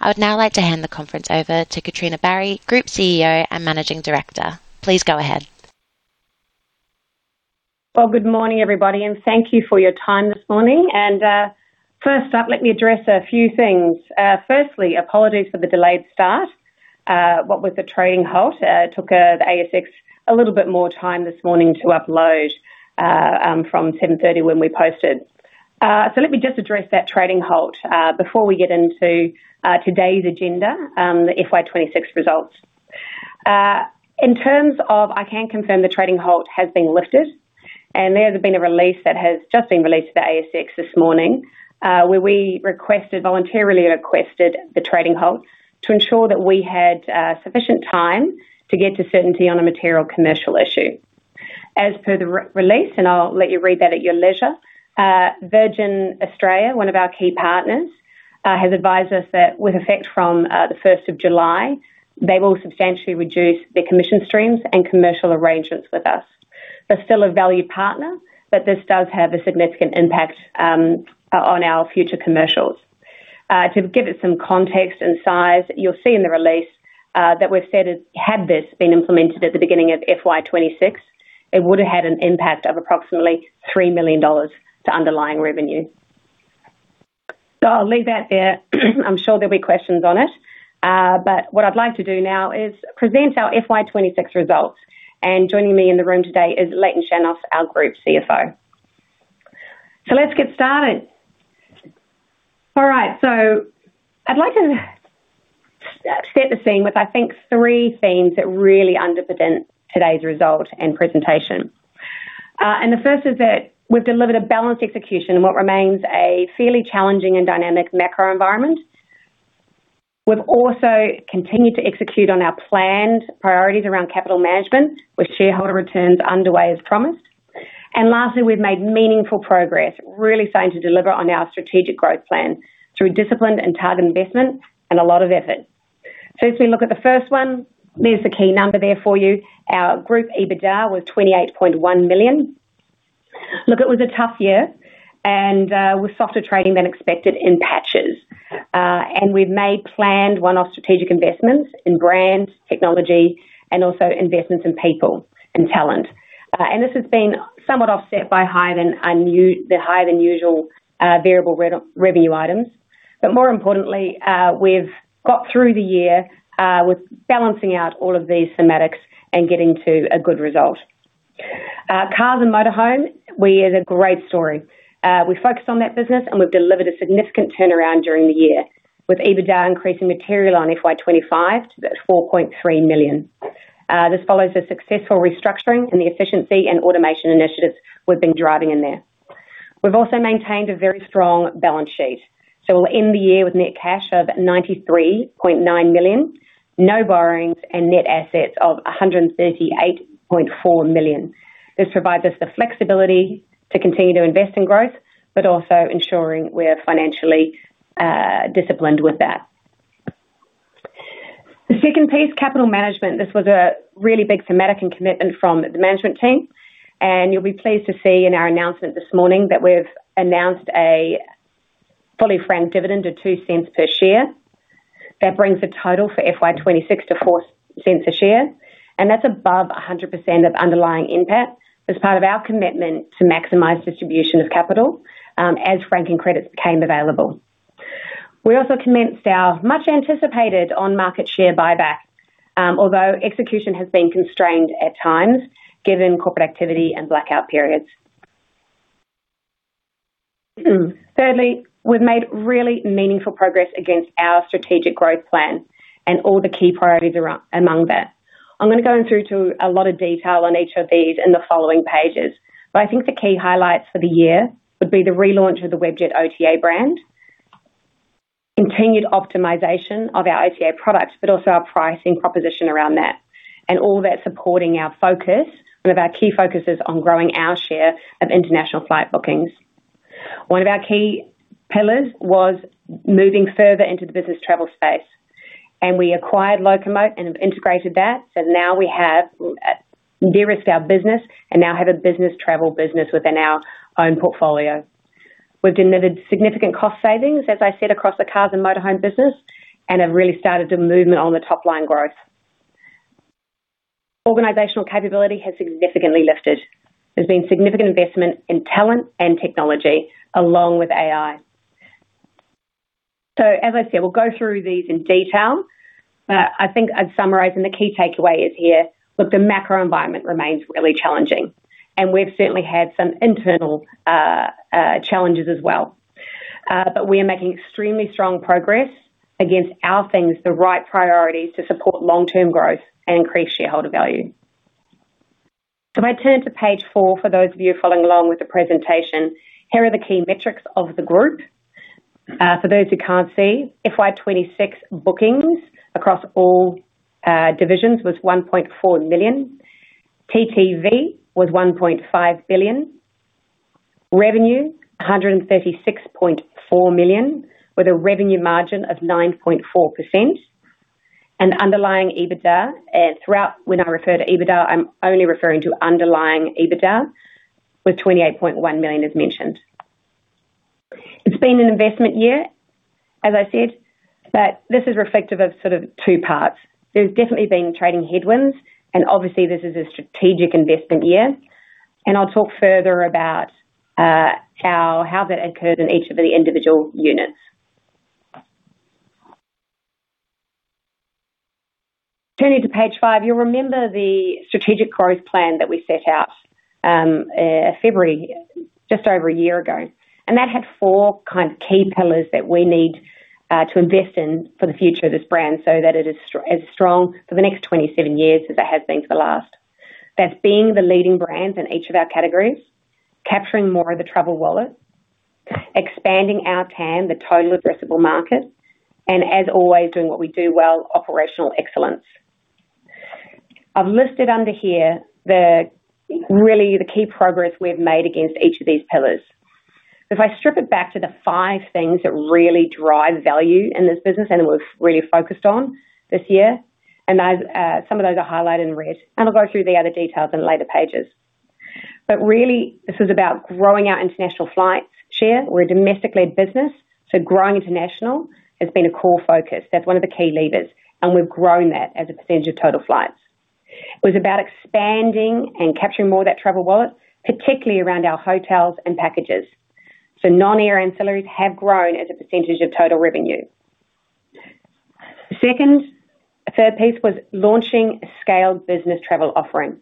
I would now like to hand the conference over to Katrina Barry, Group CEO and Managing Director. Please go ahead. Well, good morning, everybody, thank you for your time this morning. First up, let me address a few things. Firstly, apologies for the delayed start. What with the trading halt, it took the ASX a little bit more time this morning to upload from 7:30 A.M. when we posted. Let me just address that trading halt before we get into today's agenda, the FY 2026 results. In terms of, I can confirm the trading halt has been lifted, there's been a release that has just been released to the ASX this morning, where we voluntarily requested the trading halt to ensure that we had sufficient time to get to certainty on a material commercial issue. As per the release, I'll let you read that at your leisure, Virgin Australia, one of our key partners, has advised us that with effect from the 1st of July, they will substantially reduce their commission streams and commercial arrangements with us. They're still a valued partner, this does have a significant impact on our future commercials. To give it some context and size, you'll see in the release that we've said had this been implemented at the beginning of FY 2026, it would've had an impact of approximately 3 million dollars to underlying revenue. I'll leave that there. I'm sure there'll be questions on it. What I'd like to do now is present our FY 2026 results. Joining me in the room today is Layton Shannos, our Group CFO. Let's get started. All right. I'd like to set the scene with, I think, three themes that really underpin today's result and presentation. The first is that we've delivered a balanced execution in what remains a fairly challenging and dynamic macro environment. We've also continued to execute on our planned priorities around capital management, with shareholder returns underway as promised. Lastly, we've made meaningful progress, really starting to deliver on our strategic growth plan through disciplined and targeted investments and a lot of effort. As we look at the first one, there's the key number there for you. Our group EBITDA was 28.1 million. Look, it was a tough year, and with softer trading than expected in patches. We've made planned one-off strategic investments in brands, technology, and also investments in people and talent. This has been somewhat offset by higher than usual variable revenue items. More importantly, we've got through the year with balancing out all of these thematics and getting to a good result. Cars & Motorhomes, we had a great story. We focused on that business, and we've delivered a significant turnaround during the year, with EBITDA increasing material on FY 2025 to 4.3 million. This follows the successful restructuring and the efficiency and automation initiatives we've been driving in there. We've also maintained a very strong balance sheet, so we'll end the year with net cash of 93.9 million, no borrowings, and net assets of 138.4 million. This provides us the flexibility to continue to invest in growth, but also ensuring we're financially disciplined with that. The second piece, capital management. This was a really big thematic and commitment from the management team, and you'll be pleased to see in our announcement this morning that we've announced a fully franked dividend of 0.02 per share. That brings the total for FY 2026 to 0.04 per share, and that's above 100% of underlying NPAT as part of our commitment to maximize distribution of capital, as franking credits became available. We also commenced our much-anticipated on-market share buyback, although execution has been constrained at times given corporate activity and blackout periods. Thirdly, we've made really meaningful progress against our strategic growth plan and all the key priorities among that. I'm going to go through to a lot of detail on each of these in the following pages. I think the key highlights for the year would be the relaunch of the Webjet OTA brand, continued optimization of our OTA products, also our pricing proposition around that. All that supporting our focus. One of our key focuses on growing our share of international flight bookings. One of our key pillars was moving further into the business travel space. We acquired Locomote and have integrated that. Now we have de-risked our business and now have a business travel business within our own portfolio. We've delivered significant cost savings, as I said, across the Cars & Motorhomes business. Have really started the movement on the top-line growth. Organizational capability has significantly lifted. There's been significant investment in talent and technology along with AI. As I said, we'll go through these in detail. I think I'd summarize, and the key takeaway is here. Look, the macro environment remains really challenging, and we've certainly had some internal challenges as well. We are making extremely strong progress against our things, the right priorities to support long-term growth and increase shareholder value. If I turn to page four for those of you following along with the presentation, here are the key metrics of the group. For those who can't see, FY 2026 bookings across all divisions was 1.4 million. TTV was 1.5 billion. Revenue, 136.4 million, with a revenue margin of 9.4%. Underlying EBITDA, throughout when I refer to EBITDA, I'm only referring to underlying EBITDA with 28.1 million as mentioned. It's been an investment year, as I said, but this is reflective of sort of two parts. There's definitely been trading headwinds, and obviously this is a strategic investment year. I'll talk further about how that occurred in each of the individual units. Turning to page five, you'll remember the strategic growth plan that we set out February, just over a year ago. That had four kind of key pillars that we need to invest in for the future of this brand so that it is as strong for the next 27 years as it has been for the last. That's being the leading brand in each of our categories, capturing more of the travel wallet, expanding our TAM, the total addressable market, as always, doing what we do well, operational excellence. I've listed under here the really the key progress we've made against each of these pillars. If I strip it back to the five things that really drive value in this business, and we've really focused on this year, and those, some of those are highlighted in red, and I'll go through the other details in later pages. Really this is about growing our international flights share. We're a domestic business, growing international has been a core focus. That's one of the key levers, and we've grown that as a percentage of total flights. It was about expanding and capturing more of that travel wallet, particularly around our hotels and packages. Non-air ancillaries have grown as a percentage of total revenue. The third piece was launching a scaled business travel offering.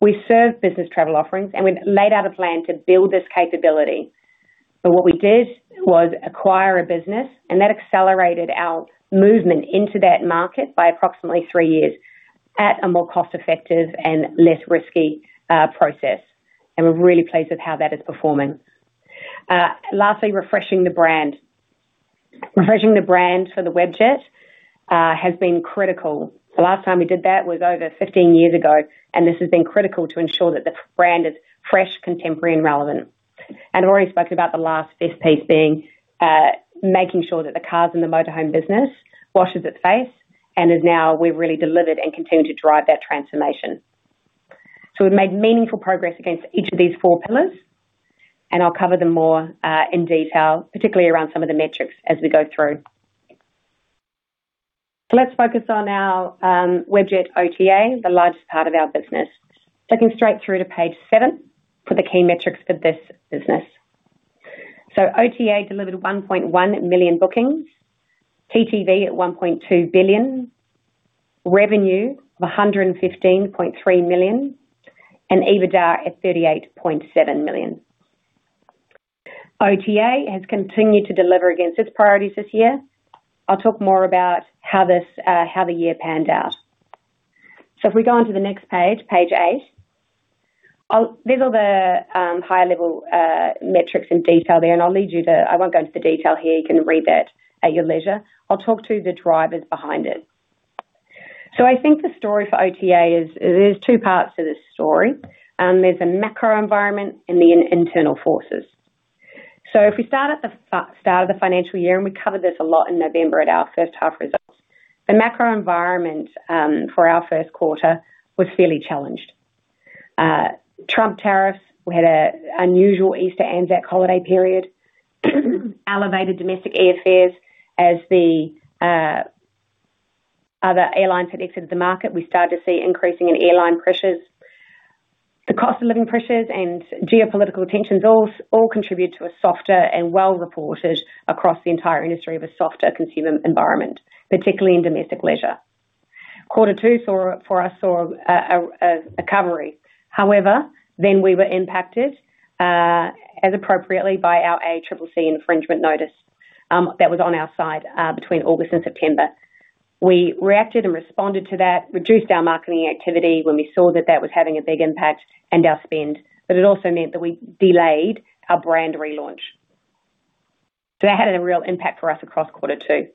We serve business travel offerings. We've laid out a plan to build this capability. What we did was acquire a business. That accelerated our movement into that market by approximately three years at a more cost-effective and less risky process. We're really pleased with how that is performing. Lastly, refreshing the brand. Refreshing the brand for the Webjet has been critical. The last time we did that was over 15 years ago. This has been critical to ensure that the brand is fresh, contemporary, and relevant. I've already spoken about the last fifth piece being making sure that the Cars & Motorhomes business washes its face and is now we've really delivered and continue to drive that transformation. We've made meaningful progress against each of these four pillars, and I'll cover them more in detail, particularly around some of the metrics as we go through. Let's focus on our Webjet OTA, the largest part of our business. Flipping straight through to page seven for the key metrics for this business. OTA delivered 1.1 million bookings, TTV at 1.2 billion, revenue of 115.3 million, and EBITDA at 38.7 million. OTA has continued to deliver against its priorities this year. I'll talk more about how the year panned out. If we go onto the next page eight. These are the high-level metrics in detail there, I won't go into the detail here. You can read that at your leisure. I'll talk to the drivers behind it. I think the story for OTA is there's two parts to this story. There's the macro environment and the internal forces. If we start at the start of the financial year, and we covered this a lot in November at our first half results. The macro environment for our first quarter was fairly challenged. Trump tariffs, we had a unusual Easter-ANZAC holiday period, elevated domestic airfares as the other airlines had exited the market. We started to see increasing in airline pressures. The cost of living pressures and geopolitical tensions all contribute to a softer and well-reported across the entire industry of a softer consumer environment, particularly in domestic leisure. Quarter two for us saw a recovery. However, we were impacted, as appropriately by our ACCC infringement notice, that was on our site, between August and September. We reacted and responded to that, reduced our marketing activity when we saw that that was having a big impact and our spend. It also meant that we delayed our brand relaunch. That had a real impact for us across quarter two.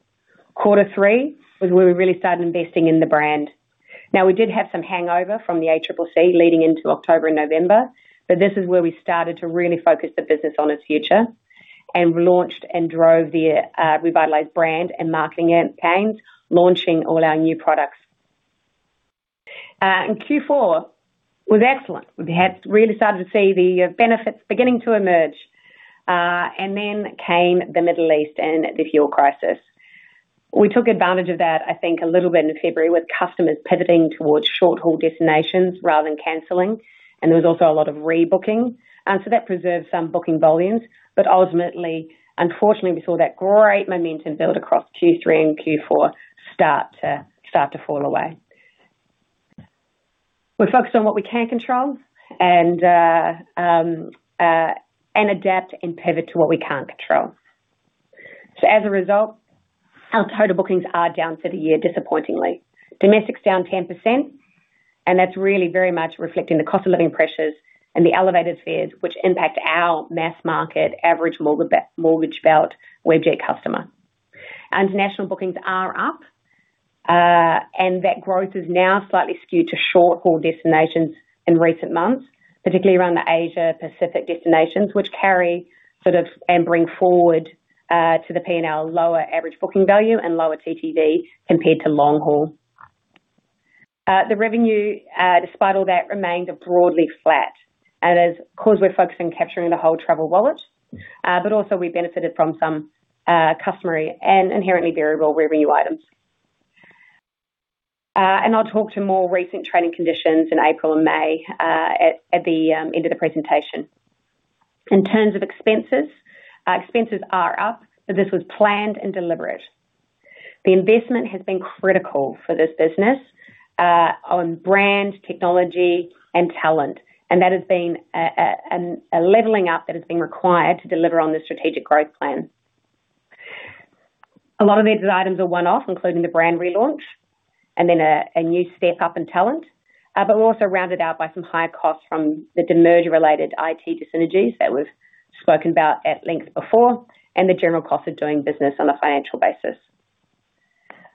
Quarter three was where we really started investing in the brand. Now we did have some hangover from the ACCC leading into October and November. This is where we started to really focus the business on its future and launched and drove the revitalized brand and marketing campaigns, launching all our new products. Q4 was excellent. We had really started to see the benefits beginning to emerge. Came the Middle East and the fuel crisis. We took advantage of that, I think, a little bit in February with customers pivoting towards short-haul destinations rather than canceling. There was also a lot of rebooking. That preserved some booking volumes. Ultimately, unfortunately, we saw that great momentum build across Q3 and Q4 start to fall away. We focused on what we can control and adapt and pivot to what we can't control. As a result, our total bookings are down for the year disappointingly. Domestic's down 10%, and that's really very much reflecting the cost of living pressures and the elevated fares which impact our mass market average mortgage belt Webjet customer. International bookings are up, and that growth is now slightly skewed to short-haul destinations in recent months. Particularly around the Asia-Pacific destinations, which carry sort of and bring forward to the P&L lower average booking value and lower TTV compared to long-haul. The revenue despite all that remained broadly flat. Because we're focused on capturing the whole travel wallet, but also we benefited from some customary and inherently variable revenue items. I'll talk to more recent trading conditions in April and May at the end of the presentation. In terms of expenses are up, but this was planned and deliberate. The investment has been critical for this business on brand, technology, and talent. That has been a leveling up that has been required to deliver on the strategic growth plan. A lot of these items are one-off, including the brand relaunch and then a new step up in talent. But we're also rounded out by some higher costs from the demerger-related IT dyssynergies that we've spoken about at length before and the general cost of doing business on a financial basis.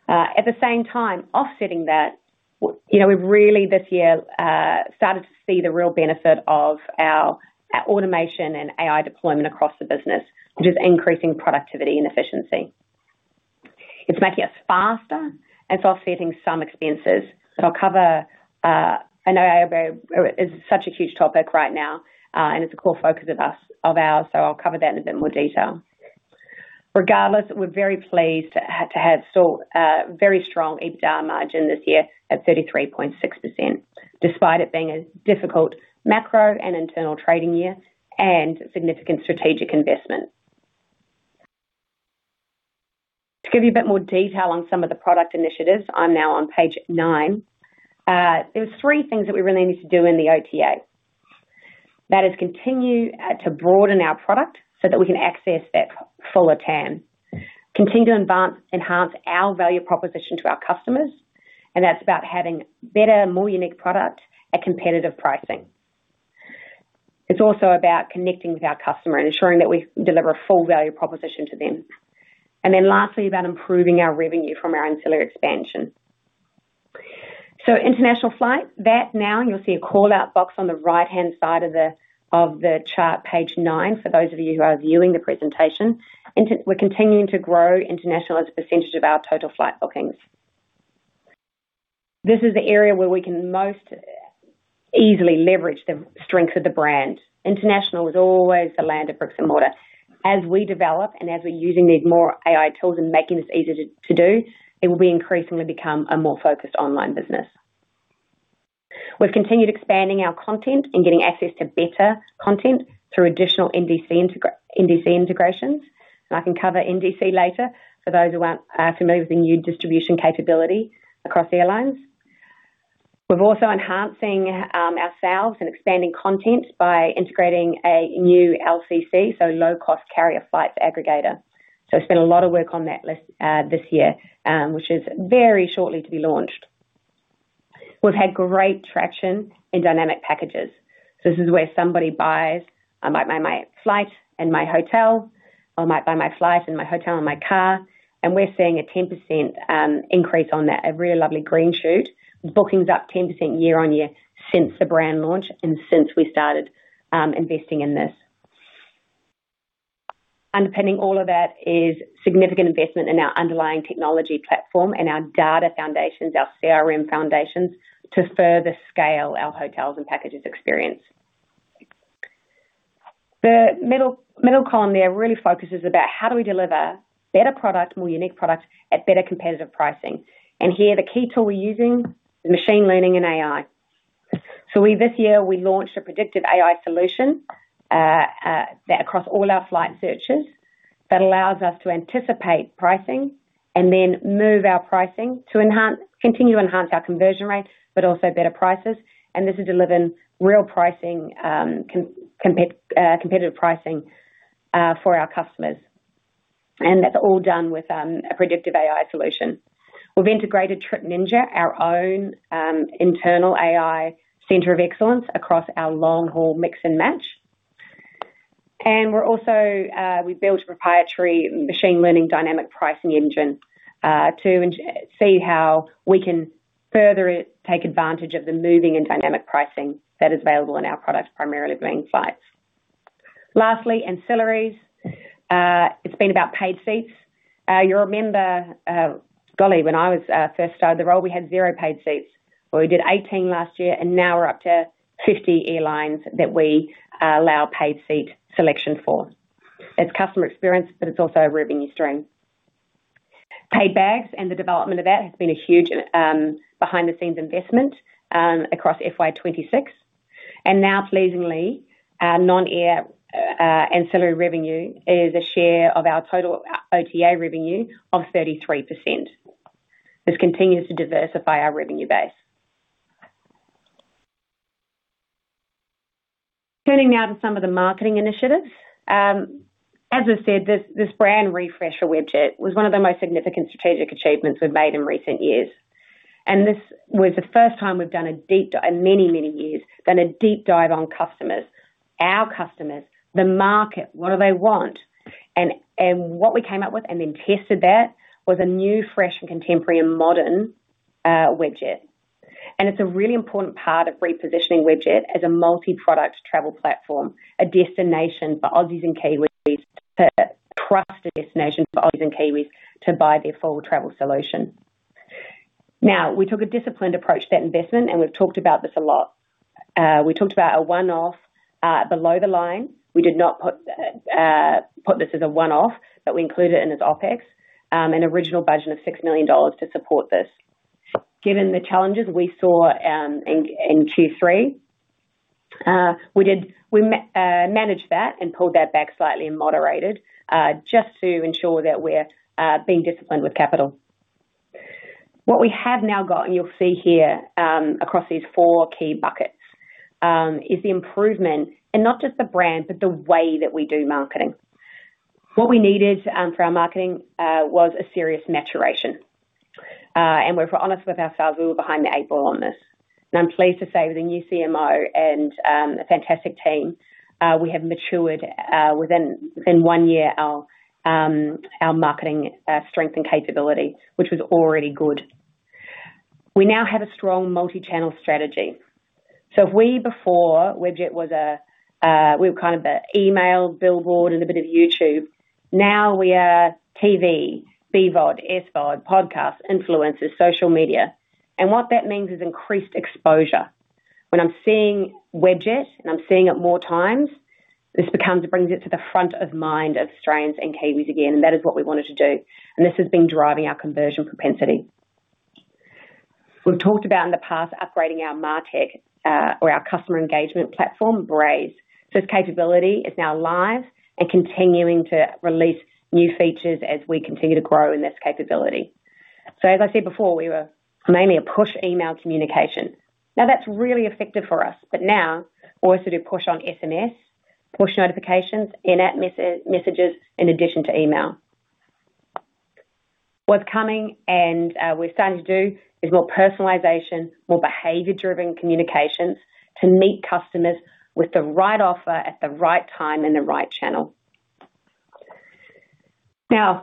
At the same time offsetting that, you know, we've really this year, started to see the real benefit of our automation and AI deployment across the business, which is increasing productivity and efficiency. It's making us faster and it's offsetting some expenses. I'll cover, I know AI is such a huge topic right now, and it's a core focus of us, so I'll cover that in a bit more detail. Regardless, we're very pleased to have seen a very strong EBITDA margin this year at 33.6%, despite it being a difficult macro and internal trading year and significant strategic investment. To give you a bit more detail on some of the product initiatives, I'm now on page nine. There was three things that we really needed to do in the OTA. That is continue to broaden our product so that we can access that fuller TAM. Continue to enhance our value proposition to our customers, that's about having better, more unique product at competitive pricing. It's also about connecting with our customer and ensuring that we deliver a full value proposition to them. Lastly, about improving our revenue from our ancillary expansion. International flights, now you'll see a call-out box on the right-hand side of the chart, page nine, for those of you who are viewing the presentation. International, we're continuing to grow international as a percentage of our total flight bookings. This is the area where we can most easily leverage the strength of the brand. International is always the land of bricks and mortar. As we develop and as we're using these more AI tools and making this easier to do, it will be increasingly become a more focused online business. We've continued expanding our content and getting access to better content through additional NDC integrations. I can cover NDC later for those who aren't familiar with the new distribution capability across airlines. We're also enhancing ourselves and expanding content by integrating a new LCC, so low-cost carrier flights aggregator. We spent a lot of work on that list this year, which is very shortly to be launched. We've had great traction in dynamic packages. This is where somebody buys, I might buy my flight and my hotel. I might buy my flight and my hotel and my car. We're seeing a 10% increase on that, a real lovely green shoot. Bookings up 10% year-on-year since the brand launch and since we started investing in this. Underpinning all of that is significant investment in our underlying technology platform and our data foundations, our CRM foundations to further scale our hotels and packages experience. The middle column there really focuses on how do we deliver better product, more unique product at better competitive pricing. Here the key tool we're using is machine learning and AI. We this year we launched a predictive AI solution that across all our flight searches that allows us to anticipate pricing and then move our pricing to continue to enhance our conversion rates, but also better prices. This is delivering real pricing, competitive pricing for our customers. That's all done with a predictive AI solution. We've integrated Trip Ninja, our own internal AI Center of Excellence across our long-haul mix and match. We're also, we built a proprietary machine learning dynamic pricing engine to see how we can further take advantage of the moving and dynamic pricing that is available in our products, primarily being flights. Lastly, ancillaries. It's been about paid seats. You'll remember, golly, when I was first started the role, we had zero paid seats. Well, we did 18 last year, and now we're up to 50 airlines that we allow paid seat selection for. It's customer experience, but it's also a revenue stream. Paid bags and the development of that has been a huge behind the scenes investment across FY 2026. Now pleasingly, our non-air ancillary revenue is a share of our total OTA revenue of 33%. This continues to diversify our revenue base. Turning now to some of the marketing initiatives. As I said, this brand refresh for Webjet was one of the most significant strategic achievements we've made in recent years. This was the first time we've in many, many years, done a deep dive on customers. Our customers, the market, what do they want? What we came up with, and then tested that, was a new, fresh, contemporary, and modern Webjet. It's a really important part of repositioning Webjet as a multi-product travel platform, a destination for Aussies and Kiwis to trust the destination for Aussies and Kiwis to buy their full travel solution. We took a disciplined approach to that investment, and we've talked about this a lot. We talked about a one-off, below the line. We did not put this as a one-off, but we included it in as OpEx, an original budget of 6 million dollars to support this. Given the challenges we saw in Q3, we managed that and pulled that back slightly and moderated, just to ensure that we're being disciplined with capital. What we have now got, and you'll see here, across these four key buckets, is the improvement in not just the brand, but the way that we do marketing. What we needed for our marketing was a serious maturation. If we're honest with ourselves, we were behind the eight ball on this. I'm pleased to say with a new CMO and a fantastic team, we have matured within one year our marketing strength and capability, which was already good. We now have a strong multi-channel strategy. If we before, Webjet was a we were kind of a email, billboard, and a bit of YouTube. Now we are TV, BVOD, SVOD, podcasts, influencers, social media. What that means is increased exposure. When I'm seeing Webjet, I'm seeing it more times, this brings it to the front of mind of Australians and Kiwis again, that is what we wanted to do. This has been driving our conversion propensity. We've talked about in the past upgrading our MarTech, or our customer engagement platform, Braze. Its capability is now live and continuing to release new features as we continue to grow in this capability. As I said before, we were mainly a push email communication. That's really effective for us, but now we also do push on SMS, push notifications, in-app messages in addition to email. What's coming, and we're starting to do is more personalization, more behavior-driven communications to meet customers with the right offer at the right time in the right channel.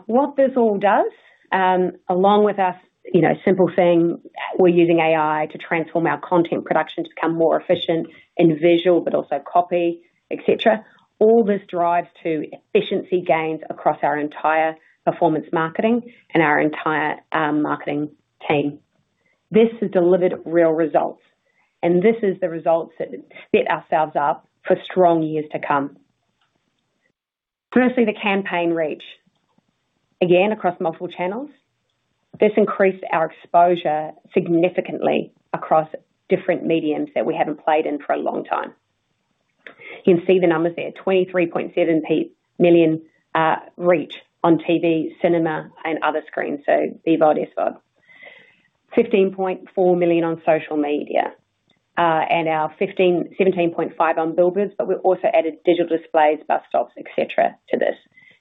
What this all does, along with our, you know, simple thing, we're using AI to transform our content production to become more efficient in visual, but also copy, et cetera. This drives to efficiency gains across our entire performance marketing and our entire marketing team. This has delivered real results, this is the results that set ourselves up for strong years to come. Firstly, the campaign reach. Again, across multiple channels. This increased our exposure significantly across different mediums that we haven't played in for a long time. You can see the numbers there, 23.7 million reach on TV, cinema, and other screens, so BVOD, SVOD. 15.4 million on social media, 17.5 million on billboards, we also added digital displays, bus stops, et cetera, to this.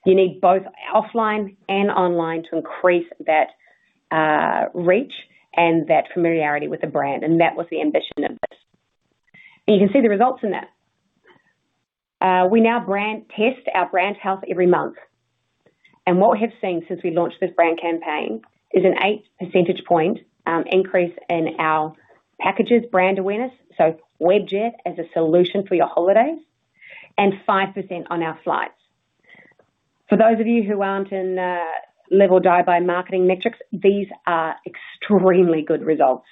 You need both offline and online to increase that reach and that familiarity with the brand, and that was the ambition of this. You can see the results in that. We now brand test our brand health every month. What we have seen since we launched this brand campaign is an 8 percentage point increase in our packages brand awareness, so Webjet as a solution for your holidays, and 5% on our flights. For those of you who aren't in live or die by marketing metrics, these are extremely good results.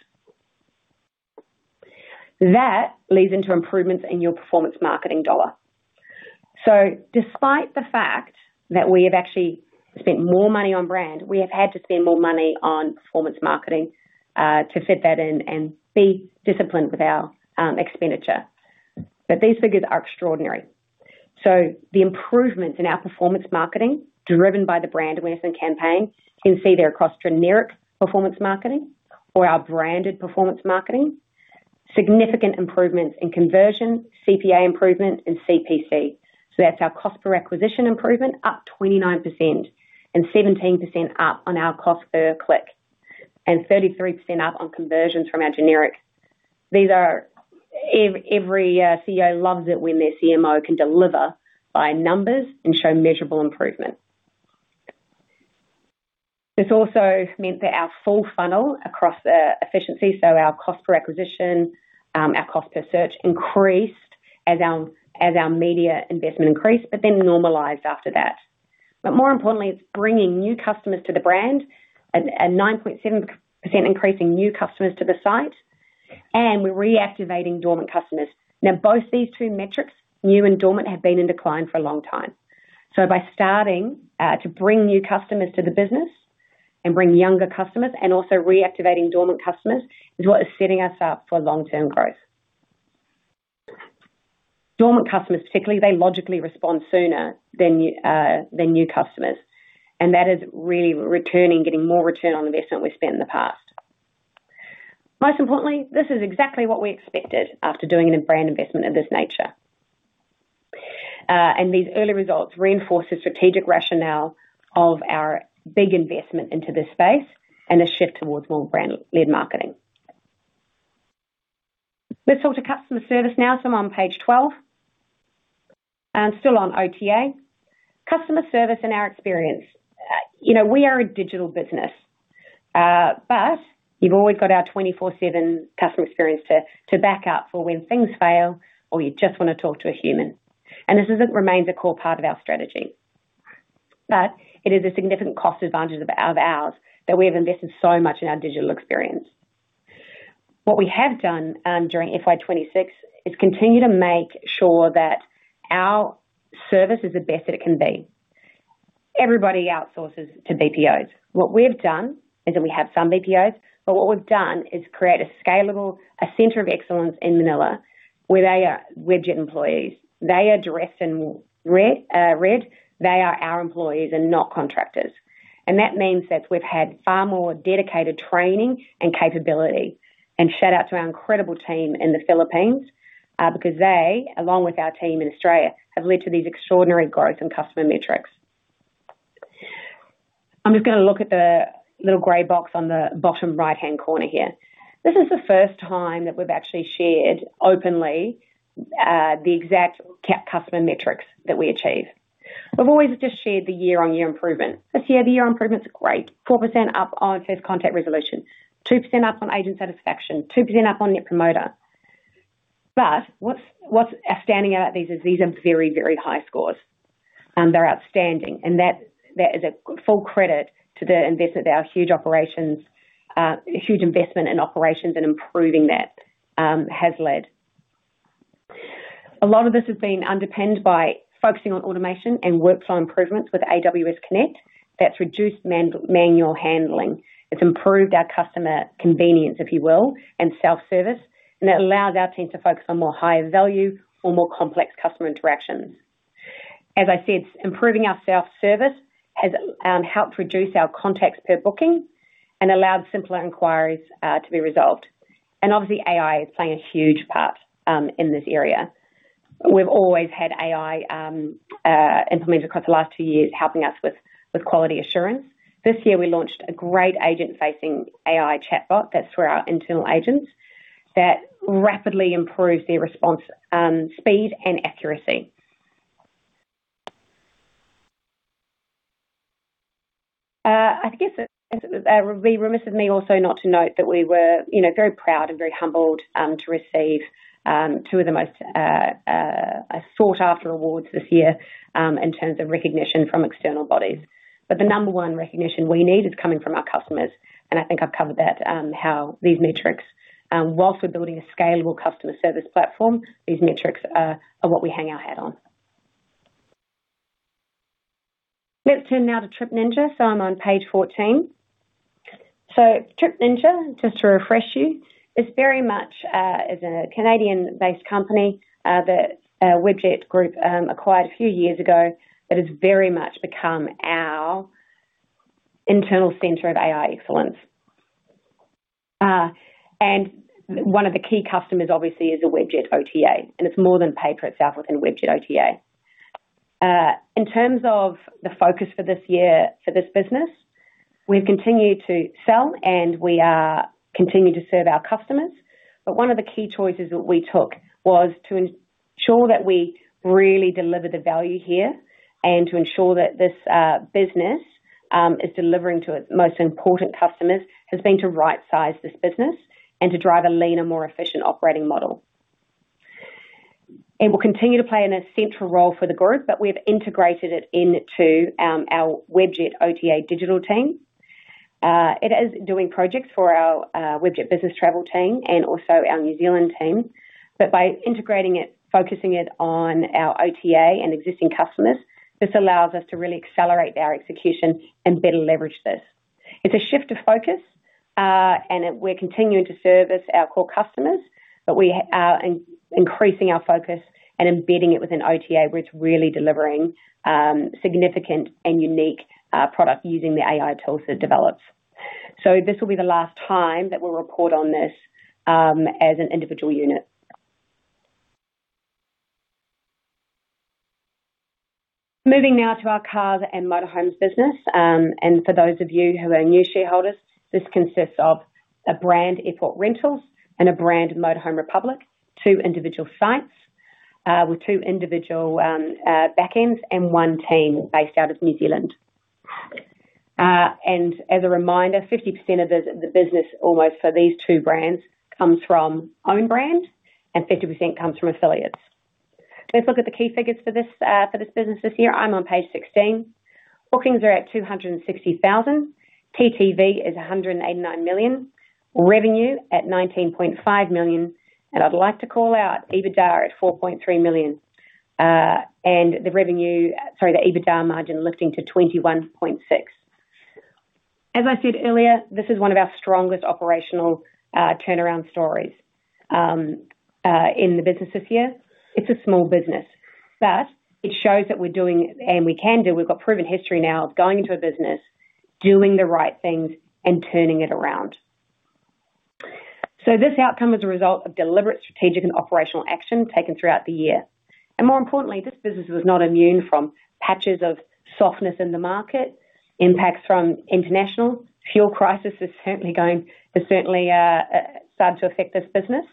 That leads into improvements in your performance marketing dollar. Despite the fact that we have actually spent more money on brand, we have had to spend more money on performance marketing to fit that in and be disciplined with our expenditure. These figures are extraordinary. The improvement in our performance marketing driven by the brand awareness and campaign, you can see there across generic performance marketing or our branded performance marketing, significant improvements in conversion, CPA improvement, and CPC. That's our cost per acquisition improvement, up 29% and 17% up on our cost per click and 33% up on conversions from our generic. These are every CEO loves it when their CMO can deliver by numbers and show measurable improvement. This also meant that our full funnel across efficiency, so our cost per acquisition, our cost per search increased as our media investment increased, then normalized after that. More importantly, it's bringing new customers to the brand at 9.7% increase in new customers to the site, and we're reactivating dormant customers. Both these two metrics, new and dormant, have been in decline for a long time. By starting to bring new customers to the business and bring younger customers and also reactivating dormant customers is what is setting us up for long-term growth. Dormant customers, particularly, they logically respond sooner than new customers. That is really returning, getting more return on investment we've spent in the past. Most importantly, this is exactly what we expected after doing a brand investment of this nature. These early results reinforce the strategic rationale of our big investment into this space and a shift towards more brand-led marketing. Let's talk to customer service now. I'm on page 12. Still on OTA. Customer service in our experience. You know, we are a digital business. You've always got our 24/7 customer experience to back up for when things fail or you just wanna talk to a human. This remains a core part of our strategy. It is a significant cost advantage of ours that we have invested so much in our digital experience. What we have done during FY 2026 is continue to make sure that our service is the best that it can be. Everybody outsources to BPOs. What we've done is that we have some BPOs, but we've created a scalable center of excellence in Manila, where they are Webjet employees. They are dressed in red. They are our employees and not contractors. That means that we've had far more dedicated training and capability. Shout out to our incredible team in the Philippines because they, along with our team in Australia, have led to these extraordinary growth and customer metrics. I'm just gonna look at the little gray box on the bottom right-hand corner here. This is the first time that we've actually shared openly the exact customer metrics that we achieve. We've always just shared the year-on-year improvement. This year, the year-on improvements are great. 4% up on first contact resolution, 2% up on agent satisfaction, 2% up on net promoter. What's outstanding about these is these are very, very high scores. They're outstanding, and that is a full credit to the huge investment in operations and improving that has led. A lot of this has been underpinned by focusing on automation and workflow improvements with AWS Connect. That's reduced manual handling. It's improved our customer convenience, if you will, and self-service, and it allows our teams to focus on more higher value or more complex customer interactions. As I said, improving our self-service has helped reduce our contacts per booking and allowed simpler inquiries to be resolved. Obviously, AI is playing a huge part in this area. We've always had AI implemented across the last two years, helping us with quality assurance. This year, we launched a great agent-facing AI chatbot. That's for our internal agents that rapidly improves their response speed and accuracy. I guess it would be remiss of me also not to note that we were, you know, very proud and very humbled to receive two of the most sought-after awards this year in terms of recognition from external bodies. The number one recognition we need is coming from our customers, and I think I've covered that, how these metrics, whilst we're building a scalable customer service platform, these metrics are what we hang our hat on. Let's turn now to Trip Ninja. I'm on page 14. Trip Ninja, just to refresh you, is very much a Canadian-based company that Webjet Group acquired a few years ago that has very much become our internal Center of AI Excellence. One of the key customers obviously is a Webjet OTA, and it's more than paid for itself within Webjet OTA. In terms of the focus for this year for this business, we've continued to sell, and we are continuing to serve our customers. One of the key choices that we took was to ensure that we really deliver the value here and to ensure that this business is delivering to its most important customers has been to rightsize this business and to drive a leaner, more efficient operating model. It will continue to play in a central role for the group, but we've integrated it into our Webjet OTA digital team. It is doing projects for our Webjet Business Travel team and also our New Zealand team. By integrating it, focusing it on our OTA and existing customers, this allows us to really accelerate our execution and better leverage this. It's a shift of focus, and we're continuing to service our core customers, but we are increasing our focus and embedding it within OTA, where it's really delivering significant and unique product using the AI tools that it develops. This will be the last time that we'll report on this as an individual unit. Moving now to our Cars & Motorhomes business. For those of you who are new shareholders, this consists of a brand, Airport Rentals, and a brand, Motorhome Republic, two individual sites, with two individual backends and one team based out of New Zealand. As a reminder, 50% of the business almost for these two brands comes from own brand, and 50% comes from affiliates. Let's look at the key figures for this for this business this year. I'm on page 16. Bookings are at 260,000. TTV is 189 million. Revenue at 19.5 million. I'd like to call out EBITDA at 4.3 million. The revenue, sorry, the EBITDA margin lifting to 21.6%. As I said earlier, this is one of our strongest operational turnaround stories in the business this year. It's a small business, but it shows that we're doing and we can do. We've got proven history now of going into a business, doing the right things, and turning it around. This outcome is a result of deliberate strategic and operational action taken throughout the year. More importantly, this business was not immune from patches of softness in the market, impacts from international. Fuel crisis is certainly starting to affect this business.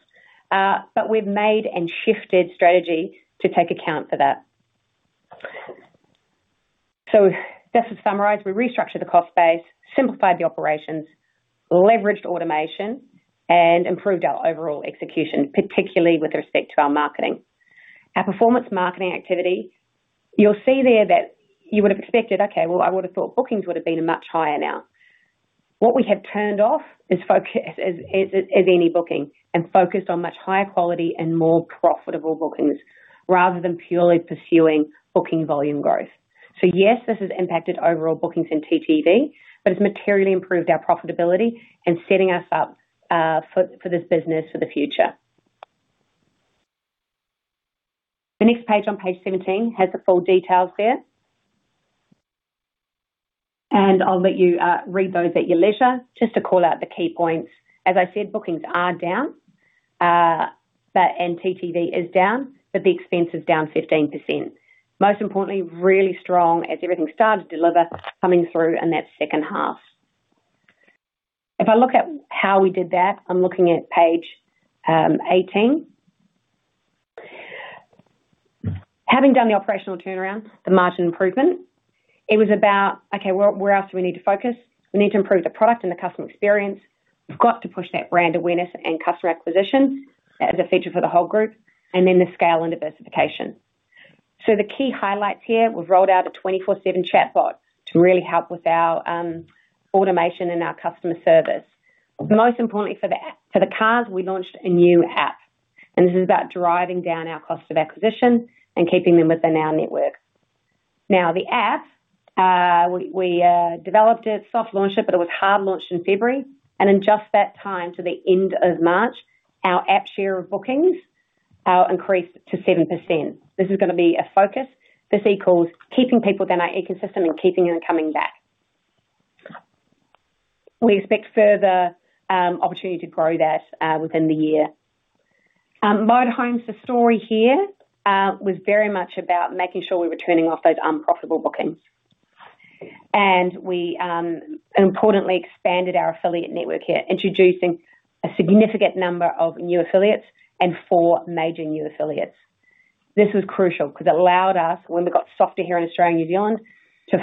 We've made and shifted strategy to take account for that. This is summarized. We restructured the cost base, simplified the operations, leveraged automation, and improved our overall execution, particularly with respect to our marketing. Our performance marketing activity, you'll see there that you would have expected, okay, well, I would have thought bookings would have been much higher now. What we have turned off is any booking and focused on much higher quality and more profitable bookings rather than purely pursuing booking volume growth. Yes, this has impacted overall bookings and TTV, but it's materially improved our profitability and setting us up for this business for the future. The next page on page 17 has the full details there. I'll let you read those at your leisure. Just to call out the key points. As I said, bookings are down, TTV is down, but the expense is down 15%. Most importantly, really strong as everything started to deliver coming through in that second half. If I look at how we did that, I'm looking at page 18. Having done the operational turnaround, the margin improvement, it was about, okay, where else do we need to focus? We need to improve the product and the customer experience. We've got to push that brand awareness and customer acquisition as a feature for the whole group, and then the scale and diversification. The key highlights here, we've rolled out a 24/7 chatbot to really help with our automation and our customer service. Most importantly for the cars, we launched a new app, and this is about driving down our cost of acquisition and keeping them within our network. The app, we developed it, soft launched it, but it was hard launched in February. In just that time to the end of March, our app share of bookings increased to 7%. This is gonna be a focus. This equals keeping people within our ecosystem and keeping them coming back. We expect further opportunity to grow that within the year. Motorhomes, the story here was very much about making sure we were turning off those unprofitable bookings. We importantly expanded our affiliate network here, introducing a significant number of new affiliates and four major new affiliates. This was crucial 'cause it allowed us, when we got softer here in Australia and New Zealand, to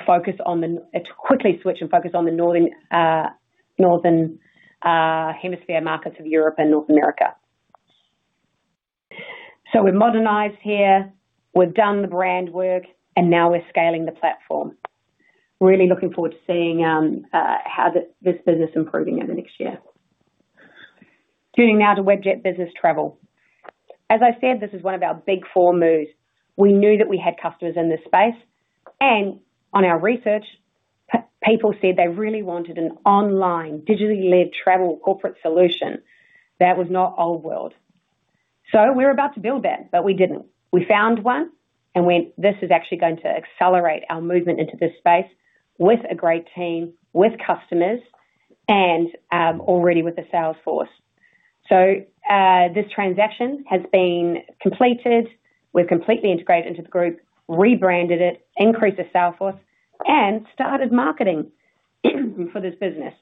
quickly switch and focus on the Northern Hemisphere markets of Europe and North America. We've modernized here, we've done the brand work, and now we're scaling the platform. Really looking forward to seeing how this business improving over the next year. Turning now to Webjet Business Travel. As I said, this is one of our big four moves. We knew that we had customers in this space, and on our research, people said they really wanted an online, digitally-led travel corporate solution that was not old world. We were about to build that, but we didn't. We found one, and this is actually going to accelerate our movement into this space with a great team, with customers, and already with the sales force. This transaction has been completed. We've completely integrated into the group, rebranded it, increased the sales force, and started marketing for this business.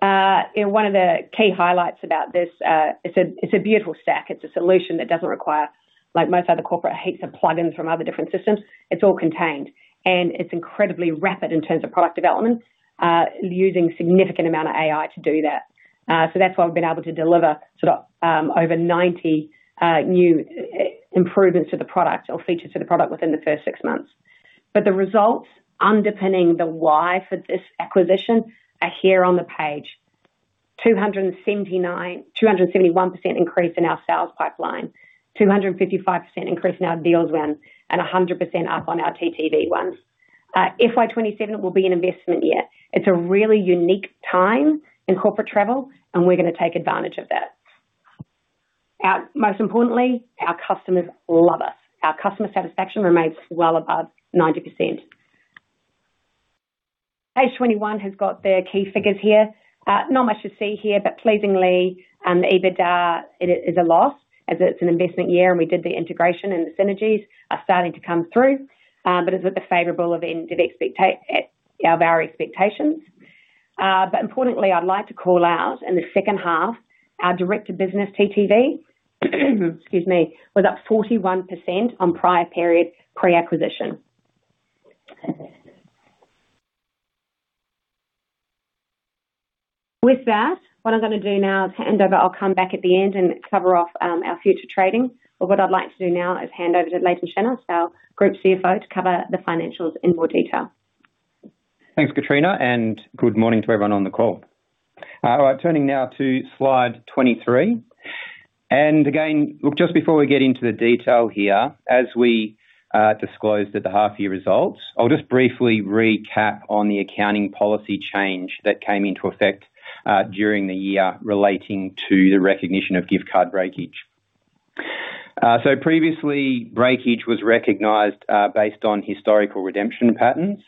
One of the key highlights about this, it's a beautiful stack. It's a solution that doesn't require, like most other corporate, heaps of plugins from other different systems. It's all contained. It's incredibly rapid in terms of product development, using significant amount of AI to do that. That's why we've been able to deliver over 90 new improvements to the product or features to the product within the first six months. The results underpinning the why for this acquisition are here on the page. 271% increase in our sales pipeline. 255% increase in deals won, and 100% up on our TTV wins. FY 2027 will be an investment year. It's a really unique time in corporate travel, and we're gonna take advantage of that. Most importantly, our customers love us. Our customer satisfaction remains well above 90%. Page 21 has got the key figures here. Not much to see here. Pleasingly, the EBITDA is a loss as it's an investment year and we did the integration and the synergies are starting to come through. It's at the favorable end of our expectations. Importantly, I'd like to call out in the second half, our direct to business TTV, excuse me, was up 41% on prior period pre-acquisition. With that, what I'm going to do now is hand over. I'll come back at the end and cover off our future trading. What I'd like to do now is hand over to Layton Shannos, our Group CFO, to cover the financials in more detail. Thanks, Katrina. Good morning to everyone on the call. Turning now to slide 23. Again, look, just before we get into the detail here, as we disclosed at the half year results, I'll just briefly recap on the accounting policy change that came into effect during the year relating to the recognition of gift card breakage. Previously, breakage was recognized based on historical redemption patterns.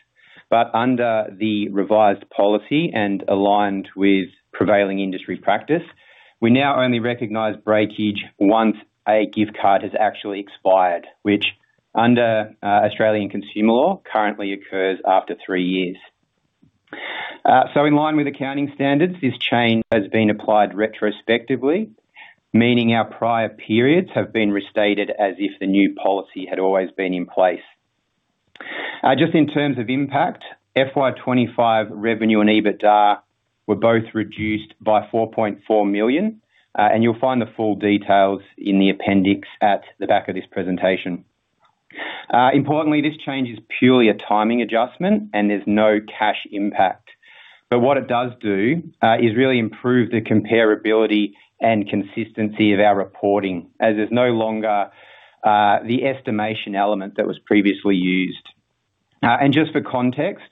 Under the revised policy and aligned with prevailing industry practice, we now only recognize breakage once a gift card has actually expired, which under Australian Consumer Law currently occurs after three years. In line with accounting standards, this change has been applied retrospectively, meaning our prior periods have been restated as if the new policy had always been in place. Just in terms of impact, FY 2025 revenue and EBITDA were both reduced by 4.4 million, and you'll find the full details in the appendix at the back of this presentation. Importantly, this change is purely a timing adjustment and there's no cash impact. What it does do, is really improve the comparability and consistency of our reporting as there's no longer the estimation element that was previously used. And just for context,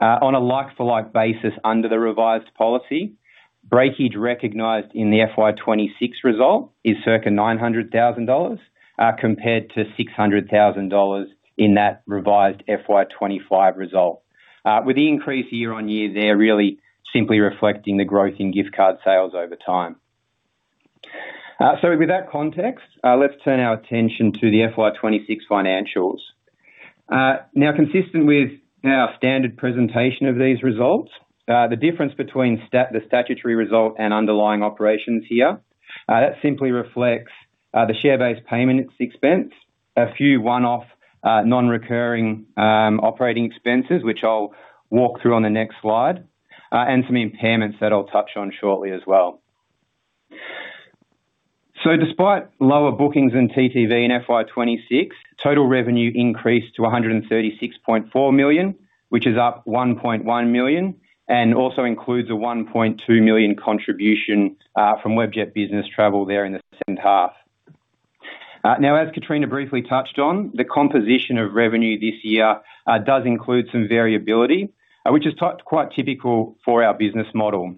on a like-for-like basis under the revised policy, breakage recognized in the FY 2026 result is circa 900,000 dollars, compared to 600,000 dollars in that revised FY 2025 result. With the increase year-on-year there really simply reflecting the growth in gift card sales over time. With that context, let's turn our attention to the FY 2026 financials. Now consistent with our standard presentation of these results, the difference between the statutory result and underlying operations here, that simply reflects, the share-based payment expense. A few one-off, non-recurring, operating expenses, which I'll walk through on the next slide, and some impairments that I'll touch on shortly as well. Despite lower bookings in TTV in FY 2026, total revenue increased to 136.4 million, which is up 1.1 million, and also includes an 1.2 million contribution, from Webjet Business Travel there in the second half. Now as Katrina briefly touched on, the composition of revenue this year, does include some variability, which is quite typical for our business model.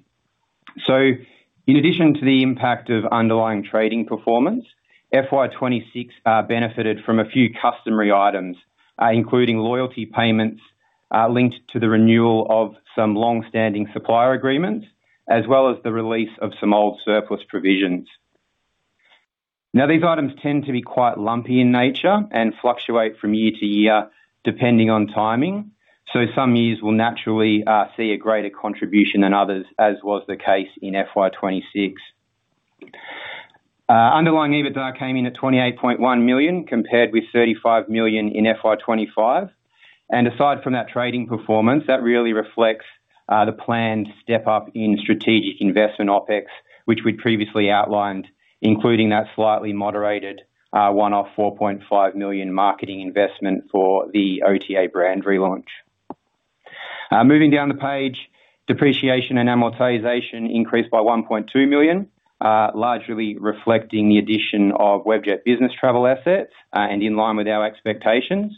In addition to the impact of underlying trading performance, FY 2026 benefited from a few customary items, including loyalty payments linked to the renewal of some long-standing supplier agreements, as well as the release of some old surplus provisions. These items tend to be quite lumpy in nature and fluctuate from year to year, depending on timing, so some years will naturally see a greater contribution than others, as was the case in FY 2026. Underlying EBITDA came in at 28.1 million compared with 35 million in FY 2025. Aside from that trading performance, that really reflects the planned step-up in strategic investment OpEx, which we'd previously outlined, including that slightly moderated one-off 4.5 million marketing investment for the OTA brand relaunch. Moving down the page, depreciation and amortization increased by 1.2 million, largely reflecting the addition of Webjet Business Travel assets, and in line with our expectations.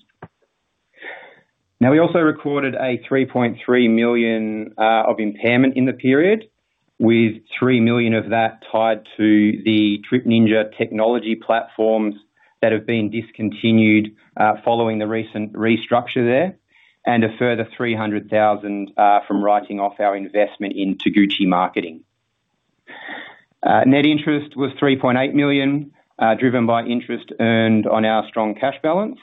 We also recorded 3.3 million of impairment in the period, with 3 million of that tied to the Trip Ninja technology platforms that have been discontinued, following the recent restructure there, and a further 300,000 from writing off our investment in Taguchi Marketing. Net interest was 3.8 million, driven by interest earned on our strong cash balance.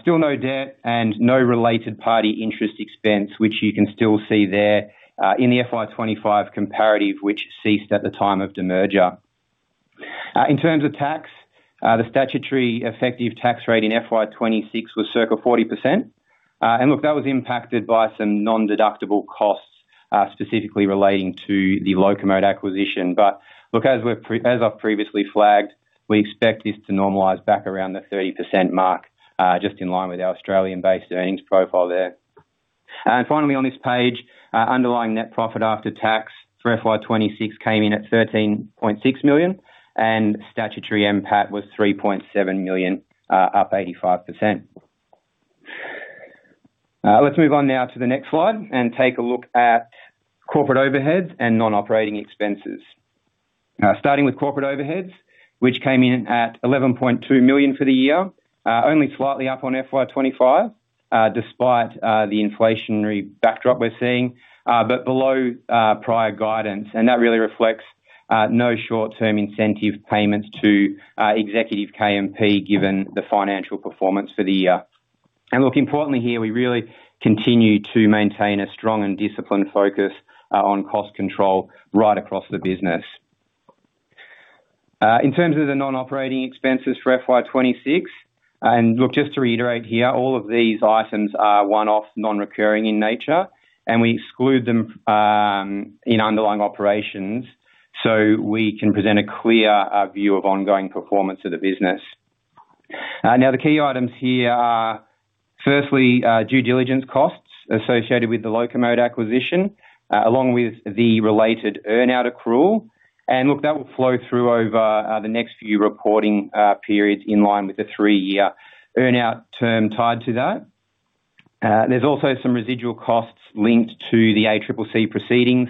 Still no debt and no related party interest expense, which you can still see there, in the FY 2025 comparative, which ceased at the time of demerger. In terms of tax, the statutory effective tax rate in FY 2026 was circa 40%. Look, that was impacted by some non-deductible costs, specifically relating to the Locomote acquisition. Look, as I've previously flagged, we expect this to normalize back around the 30% mark, just in line with our Australian-based earnings profile there. Finally, on this page, underlying net profit after tax for FY 2026 came in at 13.6 million, and statutory NPAT was 3.7 million, up 85%. Let's move on now to the next slide and take a look at corporate overheads and non-operating expenses. Starting with corporate overheads, which came in at 11.2 million for the year. Only slightly up on FY 2025, despite the inflationary backdrop we're seeing, but below prior guidance. That really reflects no short-term incentive payments to executive KMP given the financial performance for the year. Look, importantly here, we really continue to maintain a strong and disciplined focus on cost control right across the business. In terms of the non-operating expenses for FY 2026, and look, just to reiterate here, all of these items are one-off, non-recurring in nature, and we exclude them in underlying operations so we can present a clear view of ongoing performance of the business. Now the key items here are firstly, due diligence costs associated with the Locomote acquisition, along with the related earn-out accrual. Look, that will flow through over the next few reporting periods in line with the three-year earn-out term tied to that. There's also some residual costs linked to the ACCC proceedings,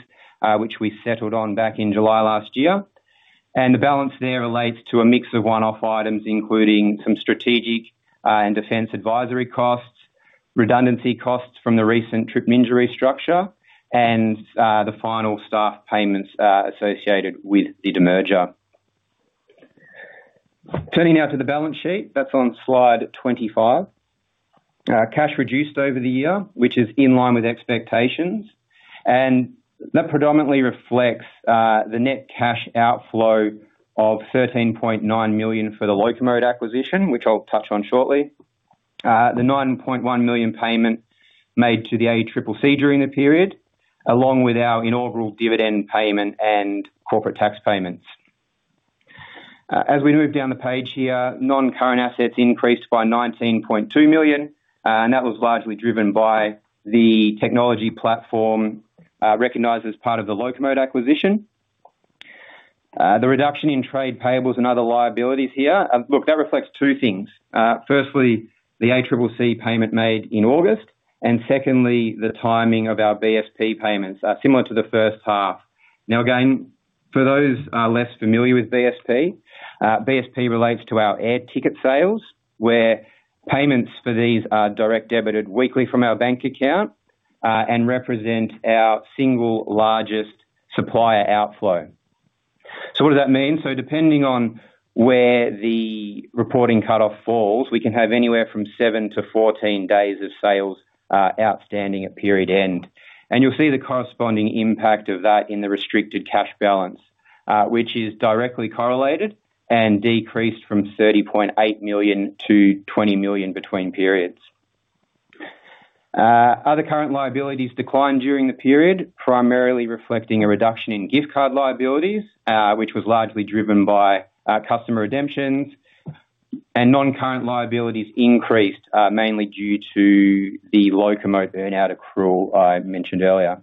which we settled on back in July last year. The balance there relates to a mix of one-off items, including some strategic and defense advisory costs, redundancy costs from the recent Trip Ninja restructure, and the final staff payments associated with the demerger. Turning now to the balance sheet, that's on slide 25. Cash reduced over the year, which is in line with expectations. That predominantly reflects the net cash outflow of 13.9 million for the Locomote acquisition, which I'll touch on shortly. The 9.1 million payment made to the ACCC during the period, along with our inaugural dividend payment and corporate tax payments. As we move down the page here, non-current assets increased by 19.2 million, and that was largely driven by the technology platform, recognized as part of the Locomote acquisition. The reduction in trade payables and other liabilities here reflects two things. Firstly, the ACCC payment made in August, and secondly, the timing of our BSP payments, similar to the first half. For those less familiar with BSP relates to our air ticket sales, where payments for these are direct debited weekly from our bank account, and represent our single largest supplier outflow. What does that mean? Depending on where the reporting cutoff falls, we can have anywhere from 7-14 days of sales outstanding at period end. You'll see the corresponding impact of that in the restricted cash balance, which is directly correlated and decreased from 30.8 million to 20 million between periods. Other current liabilities declined during the period, primarily reflecting a reduction in gift card liabilities, which was largely driven by customer redemptions. Non-current liabilities increased, mainly due to the Locomote earn-out accrual I mentioned earlier.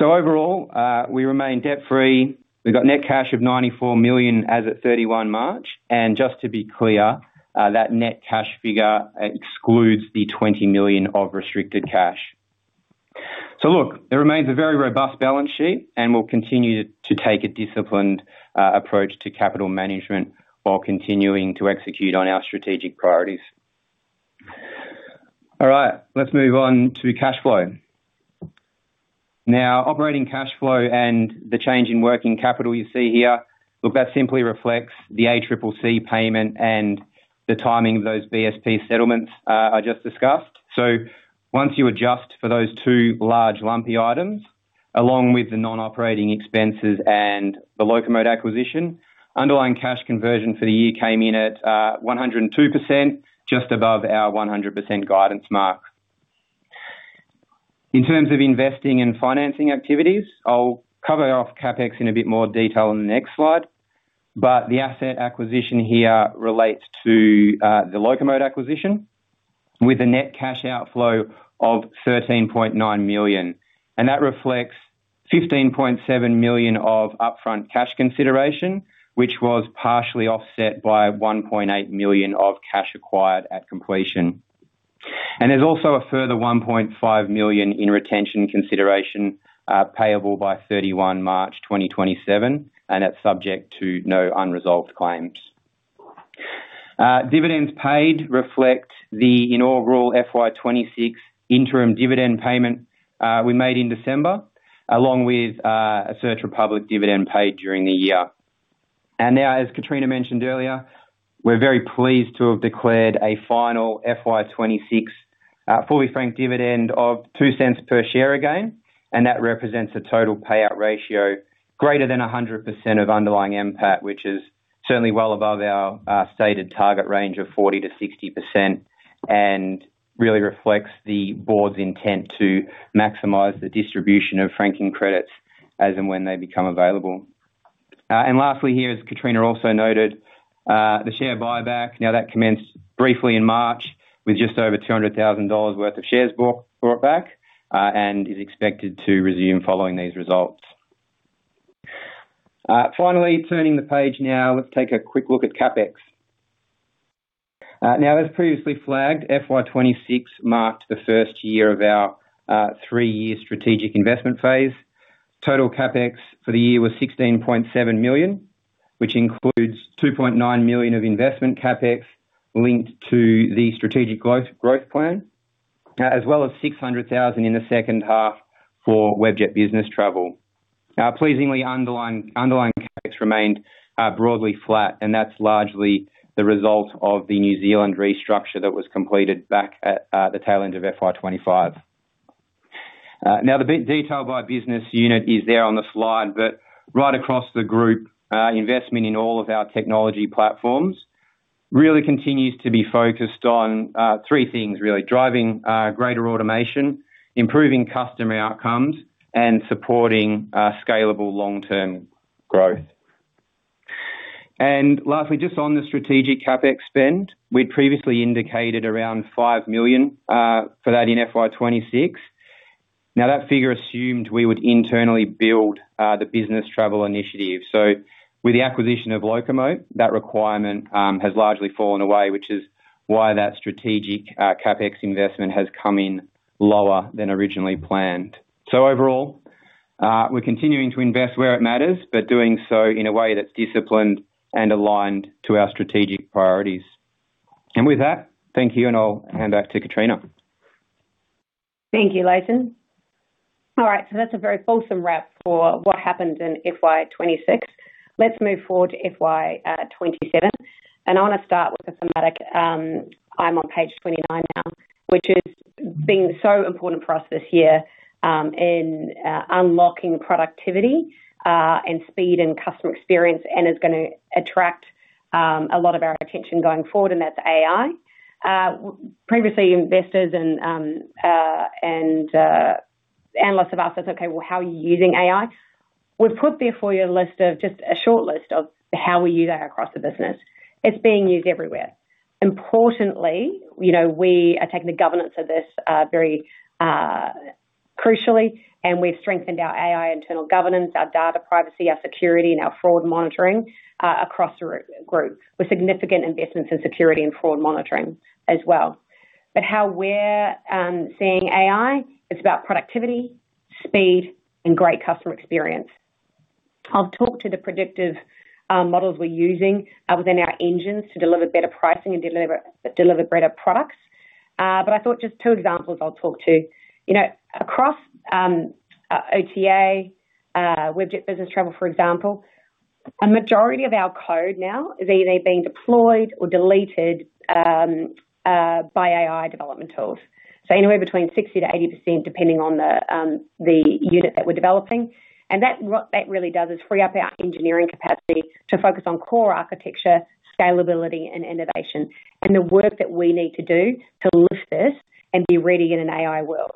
Overall, we remain debt-free. We've got net cash of 94 million as at 31 March, and just to be clear, that net cash figure excludes the 20 million of restricted cash. Look, it remains a very robust balance sheet, and we'll continue to take a disciplined approach to capital management while continuing to execute on our strategic priorities. All right, let's move on to cash flow. Operating cash flow and the change in working capital you see here, look, that simply reflects the ACCC payment and the timing of those BSP settlements I just discussed. Once you adjust for those two large lumpy items, along with the non-operating expenses and the Locomote acquisition, underlying cash conversion for the year came in at 102%, just above our 100% guidance mark. In terms of investing and financing activities, I'll cover off CapEx in a bit more detail on the next slide, the asset acquisition here relates to the Locomote acquisition with a net cash outflow of 13.9 million. That reflects 15.7 million of upfront cash consideration, which was partially offset by 1.8 million of cash acquired at completion. There's also a further 1.5 million in retention consideration, payable by 31 March 2027, and that's subject to no unresolved claims. Dividends paid reflect the inaugural FY 2026 interim dividend payment we made in December, along with a Search Republic dividend paid during the year. Now, as Katrina mentioned earlier, we're very pleased to have declared a final FY 2026 fully franked dividend of 0.02 per share again. That represents a total payout ratio greater than 100% of underlying NPAT, which is certainly well above our stated target range of 40%-60%, and really reflects the board's intent to maximize the distribution of franking credits as and when they become available. Lastly here, as Katrina also noted, the share buyback. That commenced briefly in March with just over 200,000 dollars worth of shares bought back and is expected to resume following these results. Finally, turning the page now, let's take a quick look at CapEx. As previously flagged, FY 2026 marked the first year of our three-year strategic investment phase. Total CapEx for the year was 16.7 million, which includes 2.9 million of investment CapEx linked to the strategic growth plan, as well as 600,000 in the second half for Webjet Business Travel. Pleasingly underlying CapEx remained broadly flat, and that's largely the result of the New Zealand restructure that was completed back at the tail end of FY 2025. Now the bit detailed by business unit is there on the slide, right across the group, investment in all of our technology platforms really continues to be focused on three things really. Driving greater automation, improving customer outcomes, and supporting scalable long-term growth. Lastly, just on the strategic CapEx spend, we'd previously indicated around 5 million for that in FY 2026. That figure assumed we would internally build the business travel initiative. With the acquisition of Locomote, that requirement has largely fallen away, which is why that strategic CapEx investment has come in lower than originally planned. Overall, we're continuing to invest where it matters, but doing so in a way that's disciplined and aligned to our strategic priorities. With that, thank you, and I'll hand back to Katrina. Thank you, Layton. All right. That's a very fulsome wrap for what happened in FY 2026. Let's move forward to FY 2027. I want to start with a thematic, I'm on page 29 now, which has been so important for us this year, in unlocking productivity, and speed and customer experience and is gonna attract a lot of our attention going forward, and that's AI. Previously, investors and analysts have asked us, "Okay, well, how are you using AI?" We've put there for you a list of, just a short list of how we use AI across the business. It's being used everywhere. Importantly, you know, we are taking the governance of this very crucially, and we've strengthened our AI internal governance, our data privacy, our security, and our fraud monitoring across the Group, with significant investments in security and fraud monitoring as well. How we're seeing AI is about productivity, speed, and great customer experience. I've talked to the predictive models we're using within our engines to deliver better pricing and deliver better products. I thought just two examples I'll talk to. You know, across OTA, Webjet Business Travel, for example, a majority of our code now is either being deployed or deleted by AI development tools. Anywhere between 60%-80%, depending on the unit that we're developing. That really does is free up our engineering capacity to focus on core architecture, scalability, and innovation and the work that we need to do to lift this and be ready in an AI world.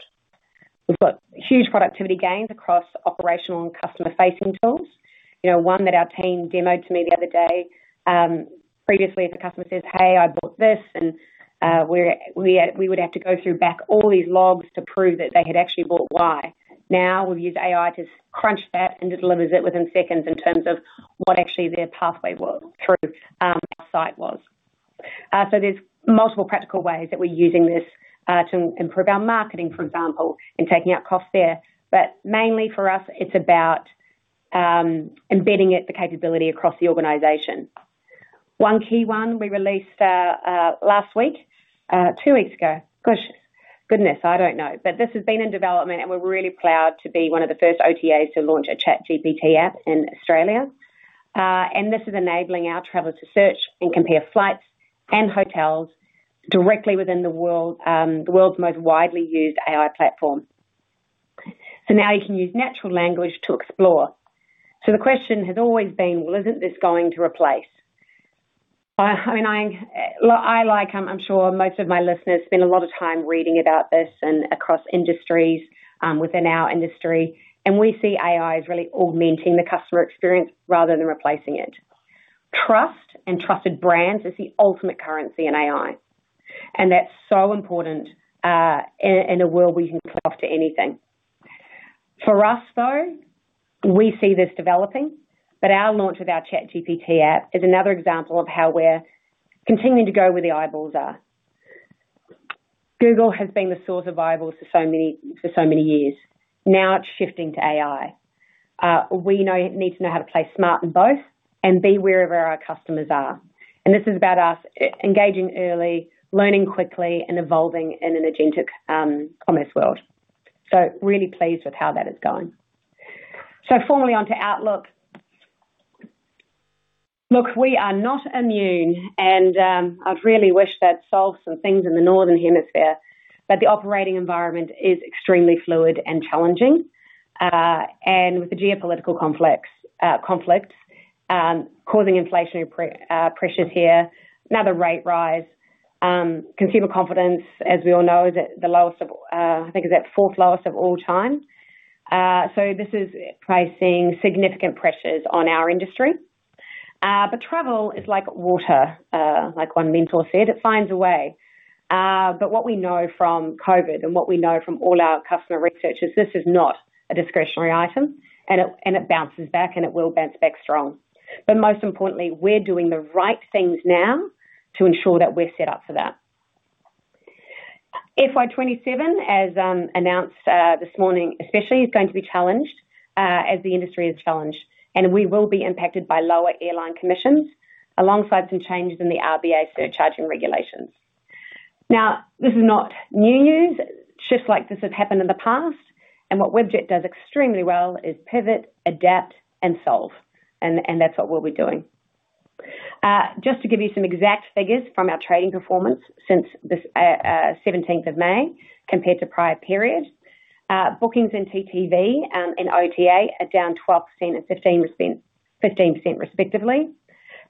We've got huge productivity gains across operational and customer-facing tools. You know, one that our team demoed to me the other day, previously if the customer says, "Hey, I bought this," and we would have to go through back all these logs to prove that they had actually bought Y. Now we've used AI to crunch that, and it delivers it within seconds in terms of what actually their pathway was through our site was. There's multiple practical ways that we're using this to improve our marketing, for example, in taking out costs there. Mainly for us, it's about embedding it, the capability across the organization. One key one we released last week, two weeks ago. Gosh. Goodness, I don't know. This has been in development, and we're really proud to be one of the first OTAs to launch a ChatGPT app in Australia. This is enabling our travelers to search and compare flights and hotels directly within the world, the world's most widely used AI platform. Now you can use natural language to explore. The question has always been, well, isn't this going to replace? I mean, I, like I'm sure most of my listeners spend a lot of time reading about this and across industries, within our industry, and we see AI as really augmenting the customer experience rather than replacing it. Trust and trusted brands is the ultimate currency in AI, and that's so important in a world we can talk to anything. For us, though, we see this developing, but our launch with our ChatGPT app is another example of how we're continuing to go where the eyeballs are. Google has been the source of eyeballs for so many years. Now it's shifting to AI. We need to know how to play smart in both and be wherever our customers are. This is about us engaging early, learning quickly, and evolving in an agentic commerce world. Really pleased with how that is going. Formally onto outlook. Look, we are not immune, and I'd really wish that solved some things in the Northern Hemisphere, but the operating environment is extremely fluid and challenging. With the geopolitical conflicts causing inflationary pressures here. Another rate rise. Consumer confidence, as we all know, is at the lowest of, I think it's at fourth lowest of all time. This is placing significant pressures on our industry. Travel is like water, like one mentor said, it finds a way. What we know from COVID and what we know from all our customer research is this is not a discretionary item, and it bounces back, and it will bounce back strong. Most importantly, we're doing the right things now to ensure that we're set up for that. FY 2027, as announced this morning especially, is going to be challenged as the industry is challenged. We will be impacted by lower airline commissions alongside some changes in the RBA surcharging regulations. This is not new news. Shifts like this have happened in the past, and what Webjet does extremely well is pivot, adapt, and solve. That's what we'll be doing. Just to give you some exact figures from our trading performance since this 17th of May, compared to prior period. Bookings in TTV and OTA are down 12% and 15% respectively.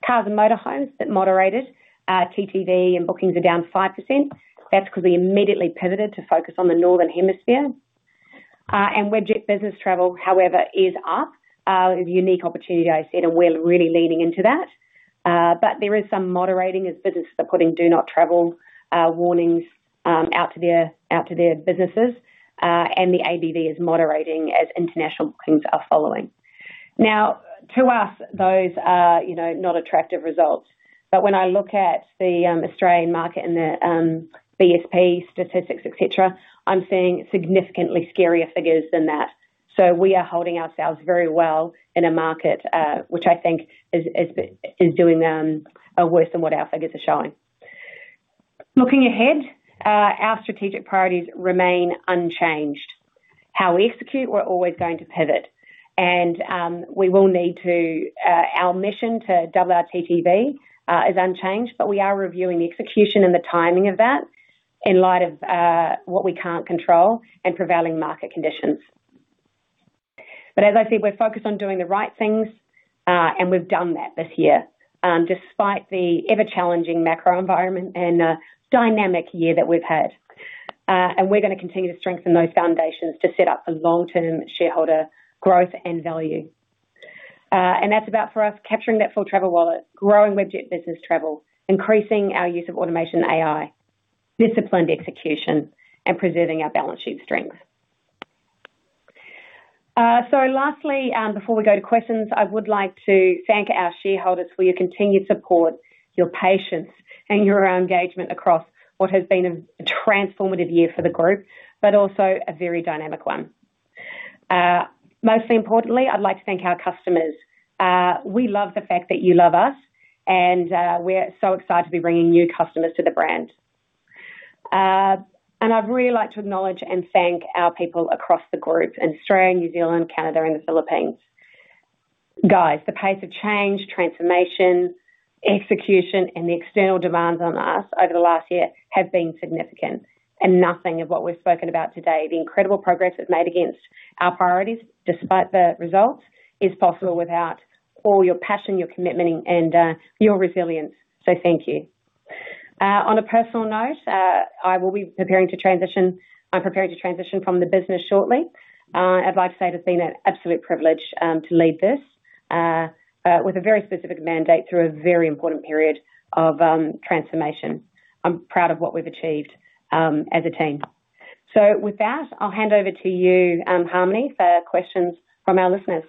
Cars & Motorhomes that moderated, TTV and bookings are down 5%. That's 'cause we immediately pivoted to focus on the Northern Hemisphere. Webjet Business Travel, however, is up. A unique opportunity, I said, and we're really leaning into that. There is some moderating as businesses are putting "Do Not Travel" warnings out to their businesses. The ABV is moderating as international bookings are following. To us, those are, you know, not attractive results. When I look at the Australian market and the BSP statistics, et cetera, I'm seeing significantly scarier figures than that. We are holding ourselves very well in a market which I think is doing worse than what our figures are showing. Looking ahead, our strategic priorities remain unchanged. How we execute, we're always going to pivot. Our mission to double our TTV is unchanged, but we are reviewing the execution and the timing of that in light of what we can't control and prevailing market conditions. As I said, we're focused on doing the right things, and we've done that this year, despite the ever-challenging macro environment and a dynamic year that we've had. And we're gonna continue to strengthen those foundations to set up for long-term shareholder growth and value. And that's about, for us, capturing that full travel wallet, growing Webjet Business Travel, increasing our use of automation and AI, disciplined execution, and preserving our balance sheet strength. Lastly, before we go to questions, I would like to thank our shareholders for your continued support, your patience, and your engagement across what has been a transformative year for the group, but also a very dynamic one. Mostly importantly, I'd like to thank our customers. We love the fact that you love us, we're so excited to be bringing new customers to the brand. I'd really like to acknowledge and thank our people across the group in Australia, New Zealand, Canada, and the Philippines. Guys, the pace of change, transformation, execution, and the external demands on us over the last year have been significant. Nothing of what we've spoken about today, the incredible progress we've made against our priorities, despite the results, is possible without all your passion, your commitment, and your resilience. Thank you. On a personal note, I'm preparing to transition from the business shortly. I'd like to say it has been an absolute privilege to lead this with a very specific mandate through a very important period of transformation. I'm proud of what we've achieved, as a team. With that, I'll hand over to you, Harmony, for questions from our listeners.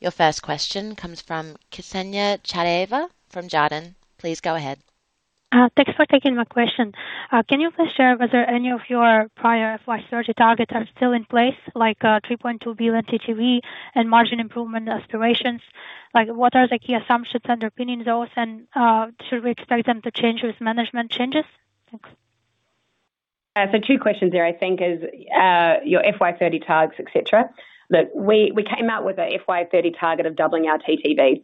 Your first question comes from Kseniya Chadayeva from Jarden. Please go ahead. Thanks for taking my question. Can you please share whether any of your prior FY 2030 targets are still in place, like, 3.2 billion TTV and margin improvement aspirations? Like, what are the key assumptions underpinning those, and should we expect them to change with management changes? Thanks. Two questions there, I think is your FY 2030 targets, et cetera. We came out with a FY 2030 target of doubling our TTV.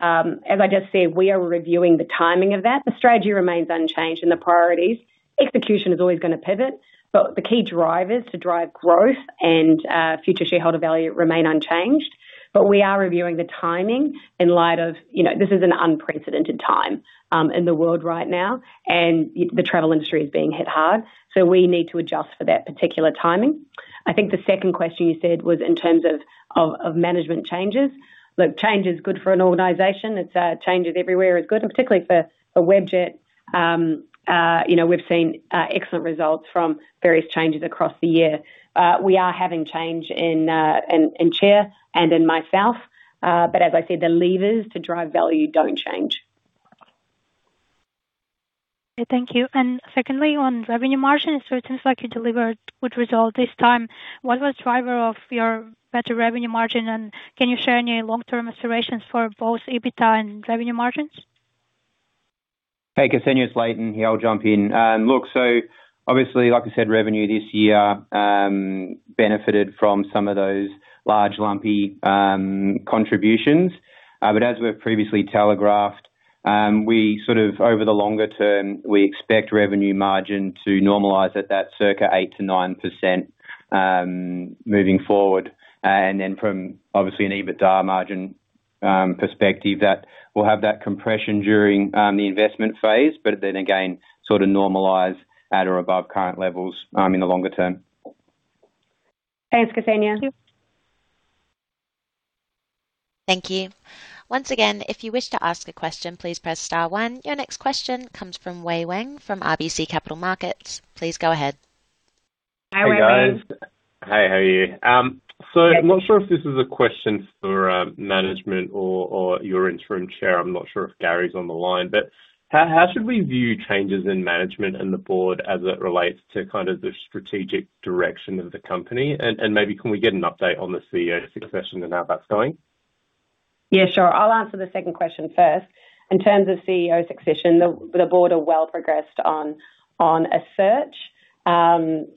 As I just said, we are reviewing the timing of that. The strategy remains unchanged and the priorities. Execution is always gonna pivot. The key drivers to drive growth and future shareholder value remain unchanged. We are reviewing the timing in light of, you know, this is an unprecedented time in the world right now, and the travel industry is being hit hard, so we need to adjust for that particular timing. I think the second question you said was in terms of management changes. Change is good for an organization. It's, change is everywhere is good, and particularly for Webjet. You know, we've seen excellent results from various changes across the year. We are having change in chair and in myself. As I said, the levers to drive value don't change. Okay. Thank you. Secondly, on revenue margin. It seems like you delivered good result this time. What was driver of your better revenue margin, and can you share any long-term aspirations for both EBITDA and revenue margins? Hey, Kseniya. It's Layton here. I'll jump in. Look, obviously, like you said, revenue this year benefited from some of those large, lumpy contributions. As we've previously telegraphed, we sort of, over the longer term, we expect revenue margin to normalize at that circa 8%-9% moving forward. From, obviously, an EBITDA margin perspective, that we'll have that compression during the investment phase, but then again, sort of normalize at or above current levels in the longer term. Thanks, Kseniya. Thank you. Thank you. Once again, if you wish to ask a question, please press star one. Your next question comes from Wei-Weng from RBC Capital Markets. Please go ahead. Hi, Wei-Weng. Hey, guys. Hey, how are you? I'm not sure if this is a question for management or your interim chair. I'm not sure if Gary's on the line. How should we view changes in management and the board as it relates to kind of the strategic direction of the company? Maybe can we get an update on the CEO succession and how that's going? Yeah, sure. I'll answer the second question first. In terms of CEO succession, the board are well progressed on a search, and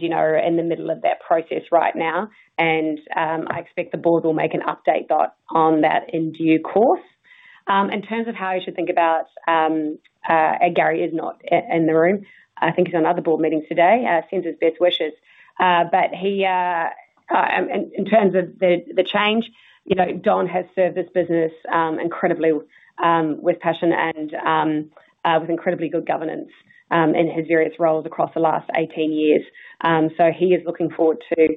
you know, in the middle of that process right now. I expect the board will make an update on that in due course. In terms of how you should think about, Gary is not in the room. I think he's in another board meeting today. Sends his best wishes. In terms of the change, you know, Don has served this business incredibly with passion and with incredibly good governance in his various roles across the last 18 years. He is looking forward to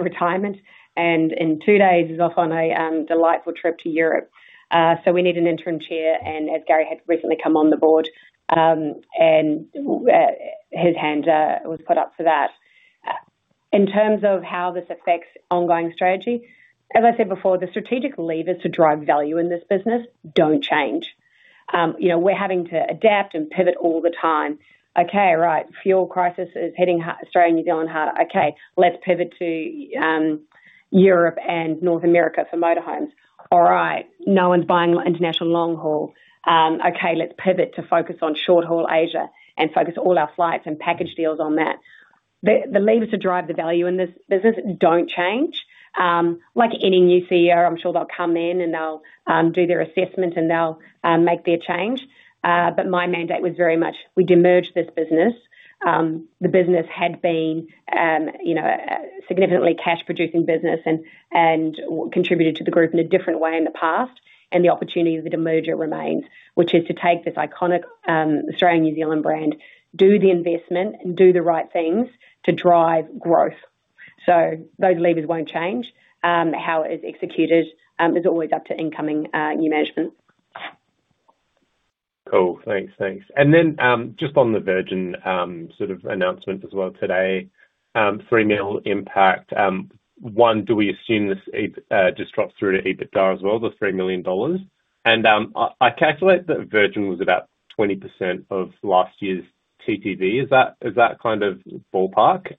retirement. In two days is off on a delightful trip to Europe. We need an interim chair, and as Gary had recently come on the board, and his hand was put up for that. In terms of how this affects ongoing strategy, as I said before, the strategic levers to drive value in this business don't change. You know, we're having to adapt and pivot all the time. Fuel crisis is hitting Australia and New Zealand hard. Let's pivot to Europe and North America for motorhomes. No one's buying international long haul. Let's pivot to focus on short-haul Asia and focus all our flights and package deals on that. The levers to drive the value in this business don't change. Like any new CEO, I'm sure they'll come in, and they'll do their assessment, and they'll make their change. My mandate was very much we demerge this business. The business had been, you know, a significantly cash producing business and contributed to the group in a different way in the past. The opportunity of the demerger remains. Which is to take this iconic Australian, New Zealand brand, do the investment and do the right things to drive growth. Those levers won't change. How it is executed is always up to incoming new management. Cool. Thanks. Just on the Virgin sort of announcement as well today. 3 million impact. One, do we assume this just drops through to EBITDA as well, the 3 million dollars? I calculate that Virgin was about 20% of last year's TTV. Is that, is that kind of ballpark?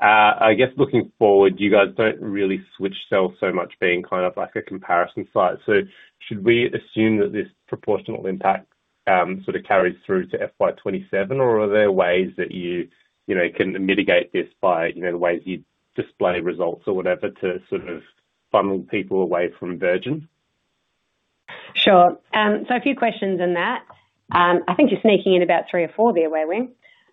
I guess looking forward, you guys don't really switch sell so much being kind of like a comparison site. Should we assume that this proportional impact sort of carries through to FY 2027, or are there ways that you know, can mitigate this by, you know, the ways you display results or whatever to sort of funnel people away from Virgin? Sure. A few questions in that. I think you're sneaking in about three or four there,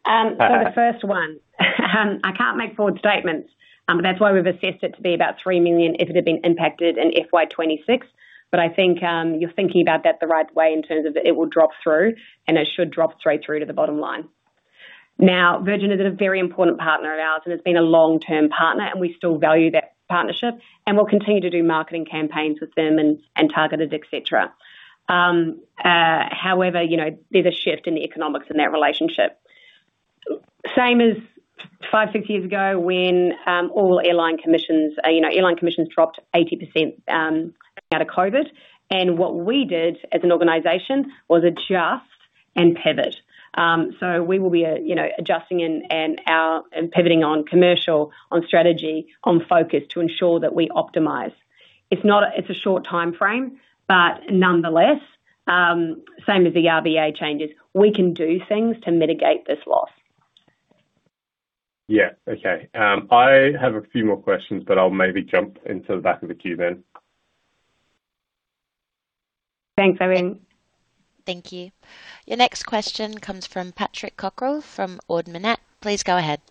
Wei-Weng. The first one, I can't make forward statements. That's why we've assessed it to be about 3 million if it had been impacted in FY 2026. I think, you're thinking about that the right way in terms of it will drop through, and it should drop straight through to the bottom line. Now, Virgin is a very important partner of ours and has been a long-term partner, and we still value that partnership, and we'll continue to do marketing campaigns with them and targeted et cetera. However, you know, there's a shift in the economics in that relationship. Same as five, six years ago when all airline commissions, you know, airline commissions dropped 80% coming out of COVID. What we did as an organization was adjust and pivot. We will be, you know, adjusting and pivoting on commercial, on strategy, on focus to ensure that we optimize. It's a short timeframe, but nonetheless, same as the RBA changes. We can do things to mitigate this loss. Yeah. Okay. I have a few more questions, but I'll maybe jump into the back of the queue then. Thanks, Wei-Weng. Thank you. Your next question comes from Patrick Cockerill, from Ord Minnett. Please go ahead.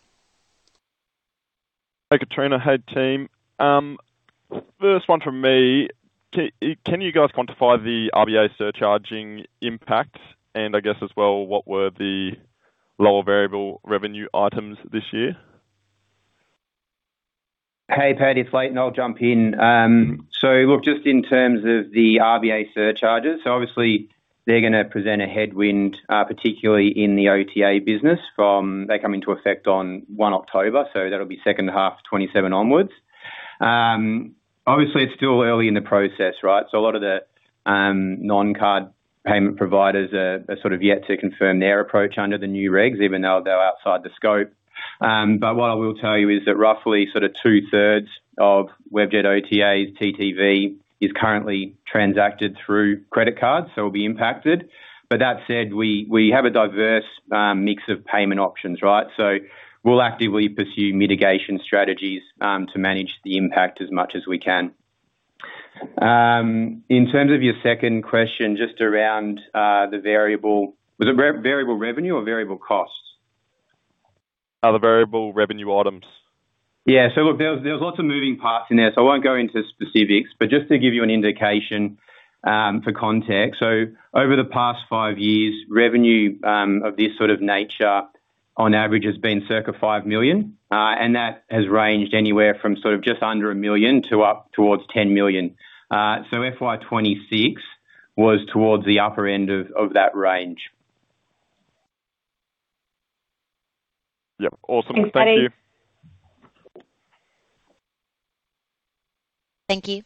Hey, Katrina. Hey, team. First one from me. Can you guys quantify the RBA surcharging impact? I guess as well, what were the lower variable revenue items this year? Hey, Pat. It's Layton. I'll jump in. Look, just in terms of the RBA surcharges. Obviously they're going to present a headwind, particularly in the OTA business. They come into effect on 1 October, so that will be second half of 2027 onwards. Obviously it's still early in the process, right? A lot of the non-card payment providers are sort of yet to confirm their approach under the new regs, even though they're outside the scope. What I will tell you is that roughly sort of 2/3 of Webjet OTA's TTV is currently transacted through credit cards, so it will be impacted. That said, we have a diverse mix of payment options, right? We will actively pursue mitigation strategies to manage the impact as much as we can. In terms of your second question, just around the variable. Was it variable revenue or variable costs? Other variable revenue items. Look, there's lots of moving parts in there, I won't go into specifics. Just to give you an indication, for context. Over the past five years, revenue of this sort of nature on average has been circa 5 million. That has ranged anywhere from just under 1 million to up towards 10 million. FY 2026 was towards the upper end of that range. Yep. Awesome. Thank you. Thank you.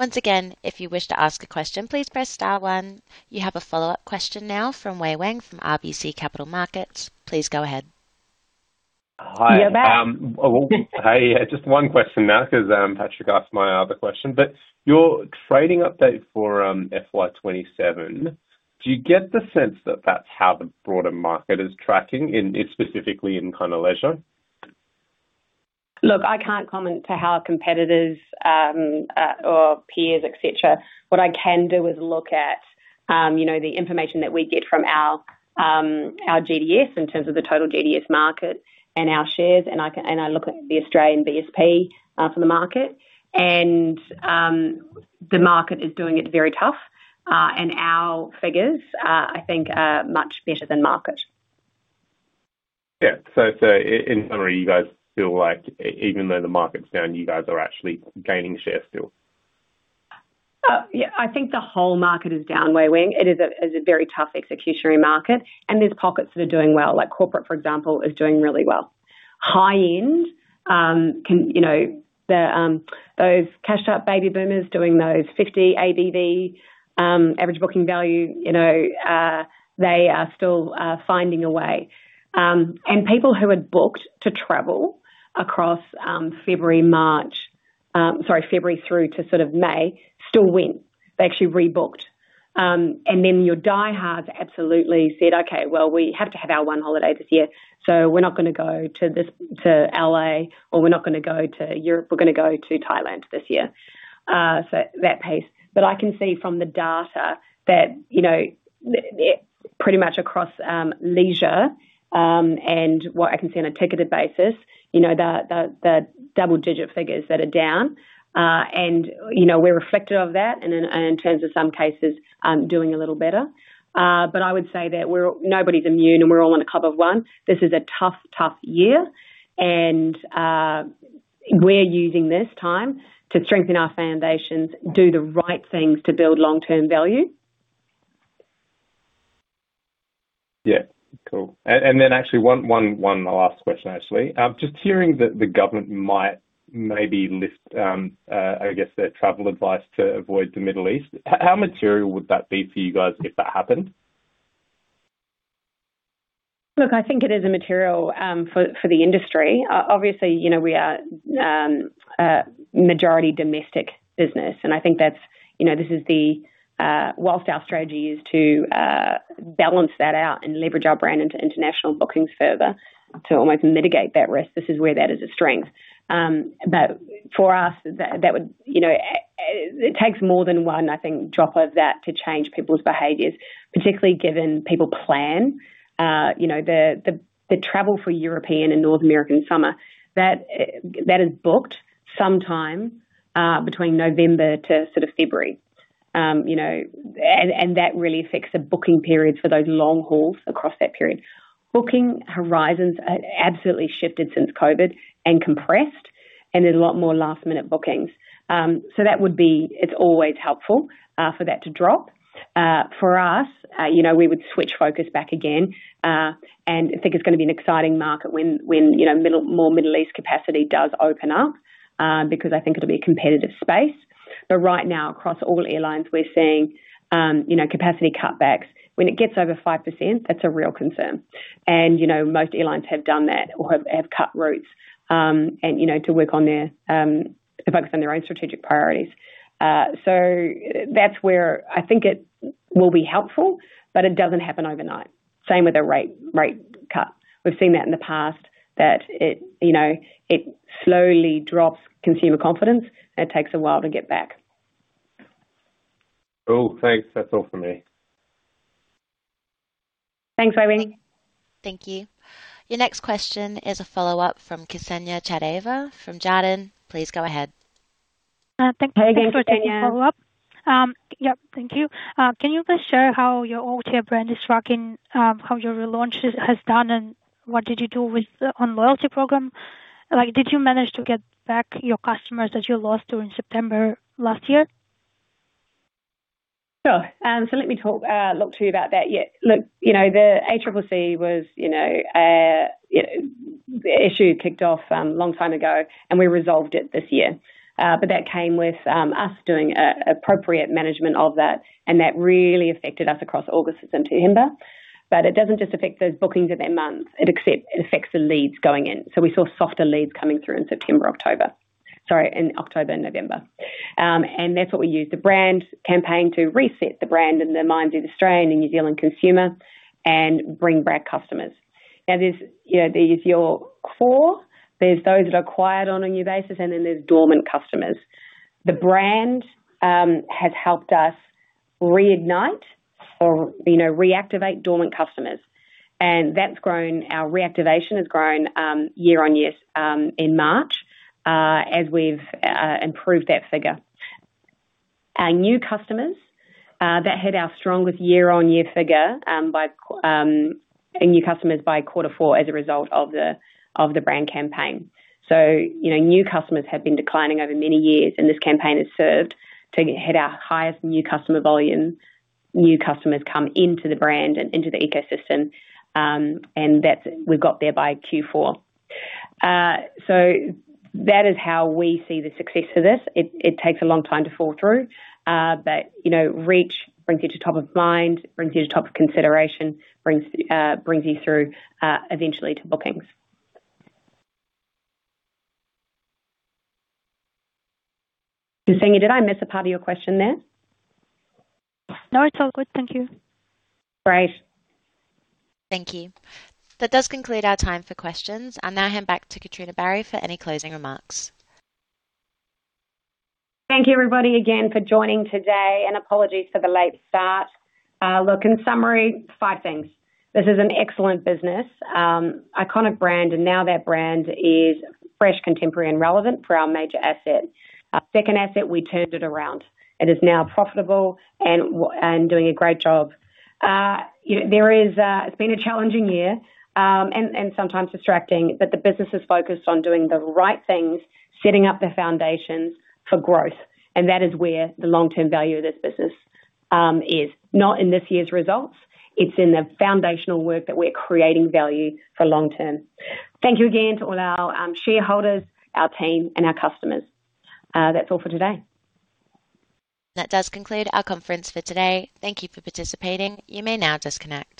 Once again, if you wish to ask a question, please press star one. You have a follow-up question now from Wei-Weng, from RBC Capital Markets. Please go ahead. You're back. Hi. Hey. Yeah, just one question now because Patrick asked my other question. Your trading update for FY 2027, do you get the sense that that's how the broader market is tracking in, specifically in kind of leisure? Look, I can't comment to how competitors, or peers et cetera. What I can do is look at, you know, the information that we get from our GDS in terms of the total GDS market and our shares, and I look at the Australian BSP for the market. The market is doing it very tough. Our figures, I think are much better than market. Yeah. In summary, you guys feel like even though the market's down, you guys are actually gaining share still? Yeah, I think the whole market is down, Wei-Weng. It is a very tough executionary market, and there's pockets that are doing well. Like corporate, for example, is doing really well. High-end, can, you know, the, those cashed out baby boomers doing those 50 ABV, average booking value, you know, they are still finding a way. People who had booked to travel across February, March, sorry, February through to sort of May, still went. They actually rebooked. Your diehards absolutely said, "Okay, well, we have to have our one holiday this year, so we're not gonna go to this, to L.A., or we're not gonna go to Europe. We're gonna go to Thailand this year." That piece. I can see from the data that, you know, pretty much across leisure, and what I can see on a ticketed basis, you know, the double-digit figures that are down. You know, we're reflective of that. In terms of some cases, doing a little better. I would say that nobody's immune, and we're all in a club of one. This is a tough year. We're using this time to strengthen our foundations, do the right things to build long-term value. Yeah. Cool. Actually one last question, actually. Just hearing that the government might maybe lift, I guess their travel advice to avoid the Middle East. How material would that be for you guys if that happened? Look, I think it is a material for the industry. Obviously, you know, we are a majority domestic business, and I think that's, you know, this is the, whilst our strategy is to balance that out and leverage our brand into international bookings further to almost mitigate that risk. This is where that is a strength. But for us, that would, you know, it takes more than one, I think, drop of that to change people's behaviors, particularly given people plan. You know, the travel for European and North American summer, that is booked sometime between November to sort of February. You know, that really affects the booking periods for those long hauls across that period. Booking horizons have absolutely shifted since COVID and compressed, and there's a lot more last-minute bookings. That would be, it's always helpful for that to drop. For us, we would switch focus back again. I think it's gonna be an exciting market when more Middle East capacity does open up, because I think it'll be a competitive space. Right now, across all airlines, we're seeing capacity cutbacks. When it gets over 5%, that's a real concern. Most airlines have done that or have cut routes, and to focus on their own strategic priorities. That's where I think it will be helpful, but it doesn't happen overnight. Same with a rate cut. We've seen that in the past, that it, you know, it slowly drops consumer confidence, and it takes a while to get back. Cool. Thanks. That's all for me. Thanks, Wei-Weng. Thank you. Your next question is a follow-up from Kseniya Chadayeva from Jarden. Please go ahead. Hey, Kseniya. Thank you for taking follow-up. Yep. Thank you. Can you please share how your OTA brand is tracking, how your relaunch has done, and what did you do with the, on loyalty program? Like, did you manage to get back your customers that you lost during September last year? Sure. Let me talk to you about that. The ACCC was the issue kicked off long time ago. We resolved it this year. That came with us doing appropriate management of that. That really affected us across August and September. It doesn't just affect those bookings of that month. It affects the leads going in. We saw softer leads coming through in September, October. Sorry, in October, November. That's what we used the brand campaign to reset the brand in the minds of Australian and New Zealand consumer and bring back customers. Now, there's your core. There's those that are acquired on a new basis, there's dormant customers. The brand, has helped us reignite or, you know, reactivate dormant customers. That's grown, our reactivation has grown, year-on-year, in March, as we've improved that figure. Our new customers, that hit our strongest year-on-year figure, new customers by quarter four as a result of the brand campaign. You know, new customers have been declining over many years, and this campaign has served to hit our highest new customer volume. New customers come into the brand and into the ecosystem. And that's, we've got there by Q4. That is how we see the success of this. It takes a long time to fall through. You know, reach brings you to top of mind, brings you to top of consideration, brings you through, eventually to bookings. Kseniya, did I miss a part of your question there? No, it's all good. Thank you. Great. Thank you. That does conclude our time for questions. I'll now hand back to Katrina Barry for any closing remarks. Thank you, everybody, again, for joining today. Apologies for the late start. Look, in summary, five things. This is an excellent business. Iconic brand, and now that brand is fresh, contemporary, and relevant for our major asset. Our second asset, we turned it around. It is now profitable and doing a great job. You know, there is, it's been a challenging year, and sometimes distracting, but the business is focused on doing the right things, setting up the foundations for growth. That is where the long-term value of this business is. Not in this year's results. It's in the foundational work that we're creating value for long term. Thank you again to all our shareholders, our team, and our customers. That's all for today. That does conclude our conference for today. Thank you for participating. You may now disconnect.